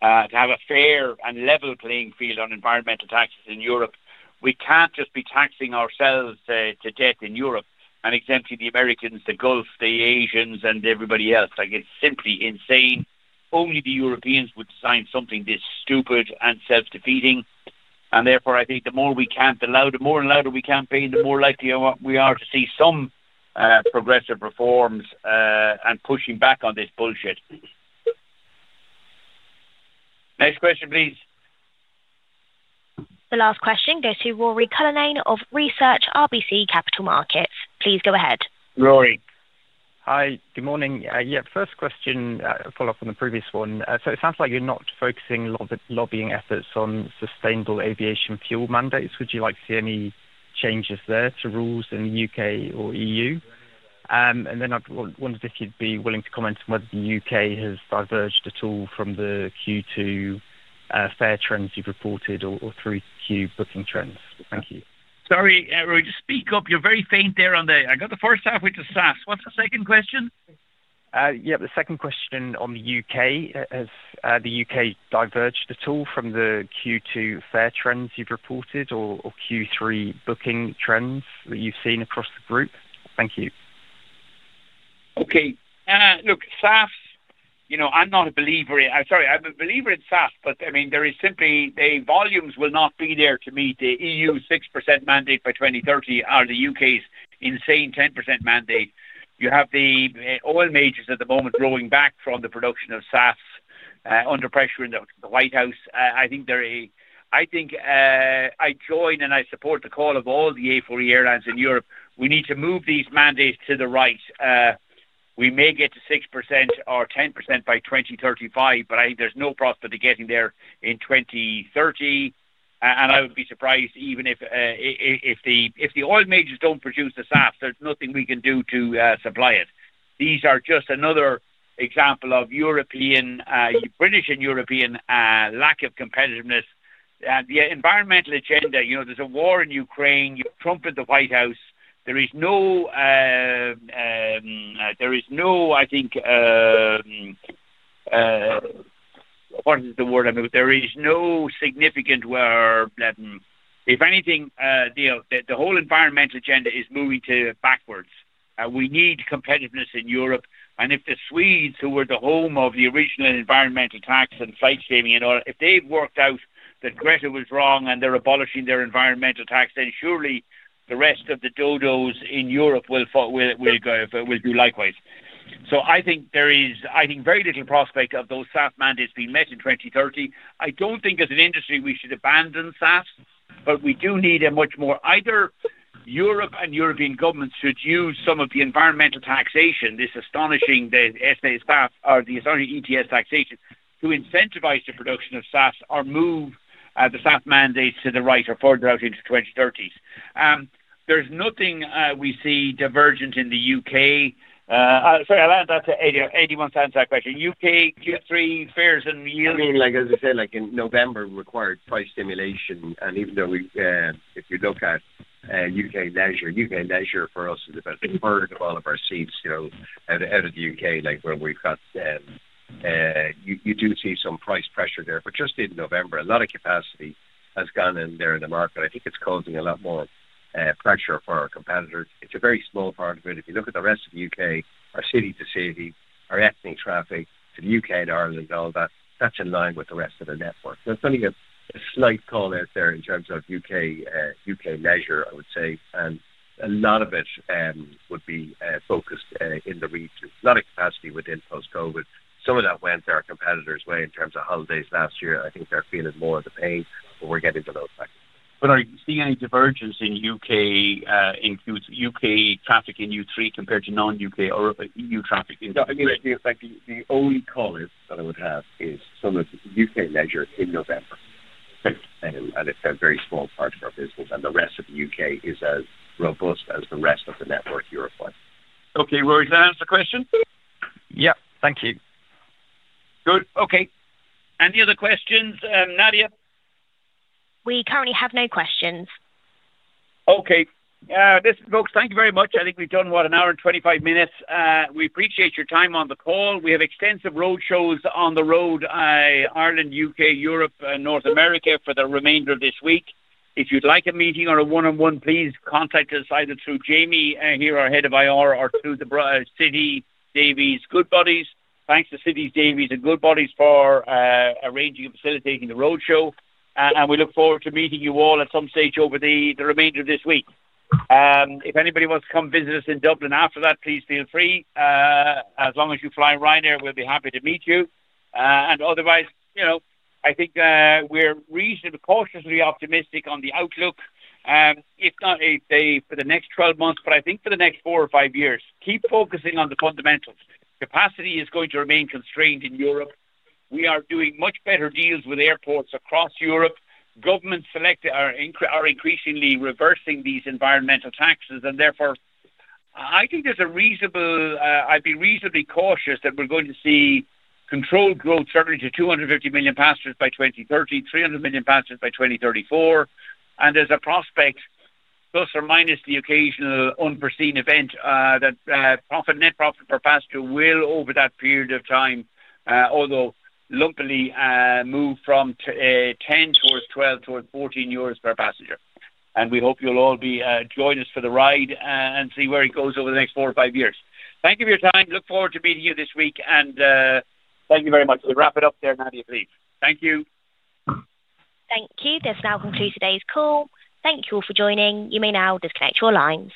Speaker 19: have a fair and level playing field on environmental taxes in Europe. We can't just be taxing ourselves to death in Europe and exempting the Americans, the Gulf, the Asians, and everybody else. It's simply insane. Only the Europeans would sign something this stupid and self-defeating. Therefore, I think the more we can't allow, the more and louder we campaign, the more likely we are to see some progressive reforms and pushing back on this bullshit.
Speaker 2: Next question, please.
Speaker 1: The last question goes to Rory Cullinan of Research RBC Capital Markets. Please go ahead.
Speaker 2: Rory.
Speaker 20: Hi. Good morning. First question, follow-up on the previous one. It sounds like you're not focusing lobbying efforts on sustainable aviation fuel mandates. Would you like to see any changes there to rules in the U.K. or EU? I wondered if you'd be willing to comment on whether the U.K. has diverged at all from the Q2 fare trends you've reported or through Q booking trends. Thank you.
Speaker 2: Sorry, Rory, just speak up. You're very faint there. I got the first half with the SAF. What's the second question?
Speaker 20: The second question on the U.K. Has the U.K. diverged at all from the Q2 fare trends you've reported or Q3 booking trends that you've seen across the group? Thank you.
Speaker 2: Okay. Look, SAF, I'm not a believer in—sorry, I'm a believer in SAF, but I mean, there is simply the volumes will not be there to meet the EU 6% mandate by 2030 or the U.K.'s insane 10% mandate. You have the oil majors at the moment rolling back from the production of SAF under pressure in the White House. I think I join and I support the call of all the A4E airlines in Europe. We need to move these mandates to the right. We may get to 6% or 10% by 2035, but I think there's no prospect of getting there in 2030. I would be surprised even if the oil majors do not produce the SAS, there's nothing we can do to supply it. These are just another example of British and European lack of competitiveness. The environmental agenda, there's a war in Ukraine. You have Trump at the White House. There is no, I think, what is the word? I mean, there is no significant—if anything, Neil, the whole environmental agenda is moving backwards. We need competitiveness in Europe. If the Swedes, who were the home of the original environmental tax and flight saving and all, if they've worked out that Greta was wrong and they're abolishing their environmental tax, then surely the rest of the dodos in Europe will do likewise. I think there is, I think, very little prospect of those SAS mandates being met in 2030. I do not think as an industry we should abandon SAS, but we do need a much more—either Europe and European governments should use some of the environmental taxation, this astonishing SAS or the astonishing ETS taxation to incentivize the production of SAS or move the SAS mandates to the right or further out into the 2030s. There's nothing we see divergent in the U.K. Sorry, I'll add that to 81 sides of that question. U.K., Q3, fares and yield?
Speaker 5: I mean, like I said, like in November, we required price stimulation. Even though if you look at U.K. and Asia, for us, is about a third of all of our seats out of the U.K., where we've got, you do see some price pressure there. Just in November, a lot of capacity has gone in there in the market. I think it's causing a lot more pressure for our competitors. It's a very small part of it. If you look at the rest of the U.K., our city-to-city, our ethnic traffic to the U.K. and Ireland and all that, that's in line with the rest of the network. That's only a slight call out there in terms of U.K. measure, I would say. A lot of it would be focused in the region. A lot of capacity within post-COVID. Some of that went our competitors' way in terms of holidays last year. I think they're feeling more of the pain, but we're getting to those factors.
Speaker 20: Are you seeing any divergence in U.K. traffic in U3 compared to non-U.K. or EU traffic in U3?
Speaker 5: Yeah. The only call that I would have is some of U.K. measure in November. It's a very small part of our business. The rest of the U.K. is as robust as the rest of the network Europe was.
Speaker 2: Okay. Rory, does that answer the question?
Speaker 20: Yep. Thank you.
Speaker 2: Good. Okay. Any other questions, Nadia?
Speaker 1: We currently have no questions.
Speaker 2: Okay. Listen, folks, thank you very much. I think we've done what, an hour and 25 minutes? We appreciate your time on the call. We have extensive road shows on the road, Ireland, U.K., Europe, and North America for the remainder of this week. If you'd like a meeting or a one-on-one, please contact us either through Jamie here, our Head of IR, or through the Citi Davys Goodbuddies. Thanks to Citi Davies and Goodbuddies for arranging and facilitating the road show. We look forward to meeting you all at some stage over the remainder of this week. If anybody wants to come visit us in Dublin after that, please feel free. As long as you fly Ryanair, we'll be happy to meet you. Otherwise, I think we're reasonably cautiously optimistic on the outlook, if not for the next 12 months, but I think for the next four or five years. Keep focusing on the fundamentals. Capacity is going to remain constrained in Europe. We are doing much better deals with airports across Europe. Governments are increasingly reversing these environmental taxes. Therefore, I think there's a reasonable—I’d be reasonably cautious that we're going to see controlled growth, certainly to 250 million passengers by 2030, 300 million passengers by 2034. There's a prospect, plus or minus the occasional unforeseen event, that net profit per passenger will, over that period of time, although lumpily, move from 10 towards 12, towards 14 euros per passenger. We hope you'll all join us for the ride and see where it goes over the next four or five years. Thank you for your time. Look forward to meeting you this week. Thank you very much. We'll wrap it up there, Nadia, please. Thank you.
Speaker 1: Thank you. This now concludes today's call. Thank you all for joining. You may now disconnect your lines.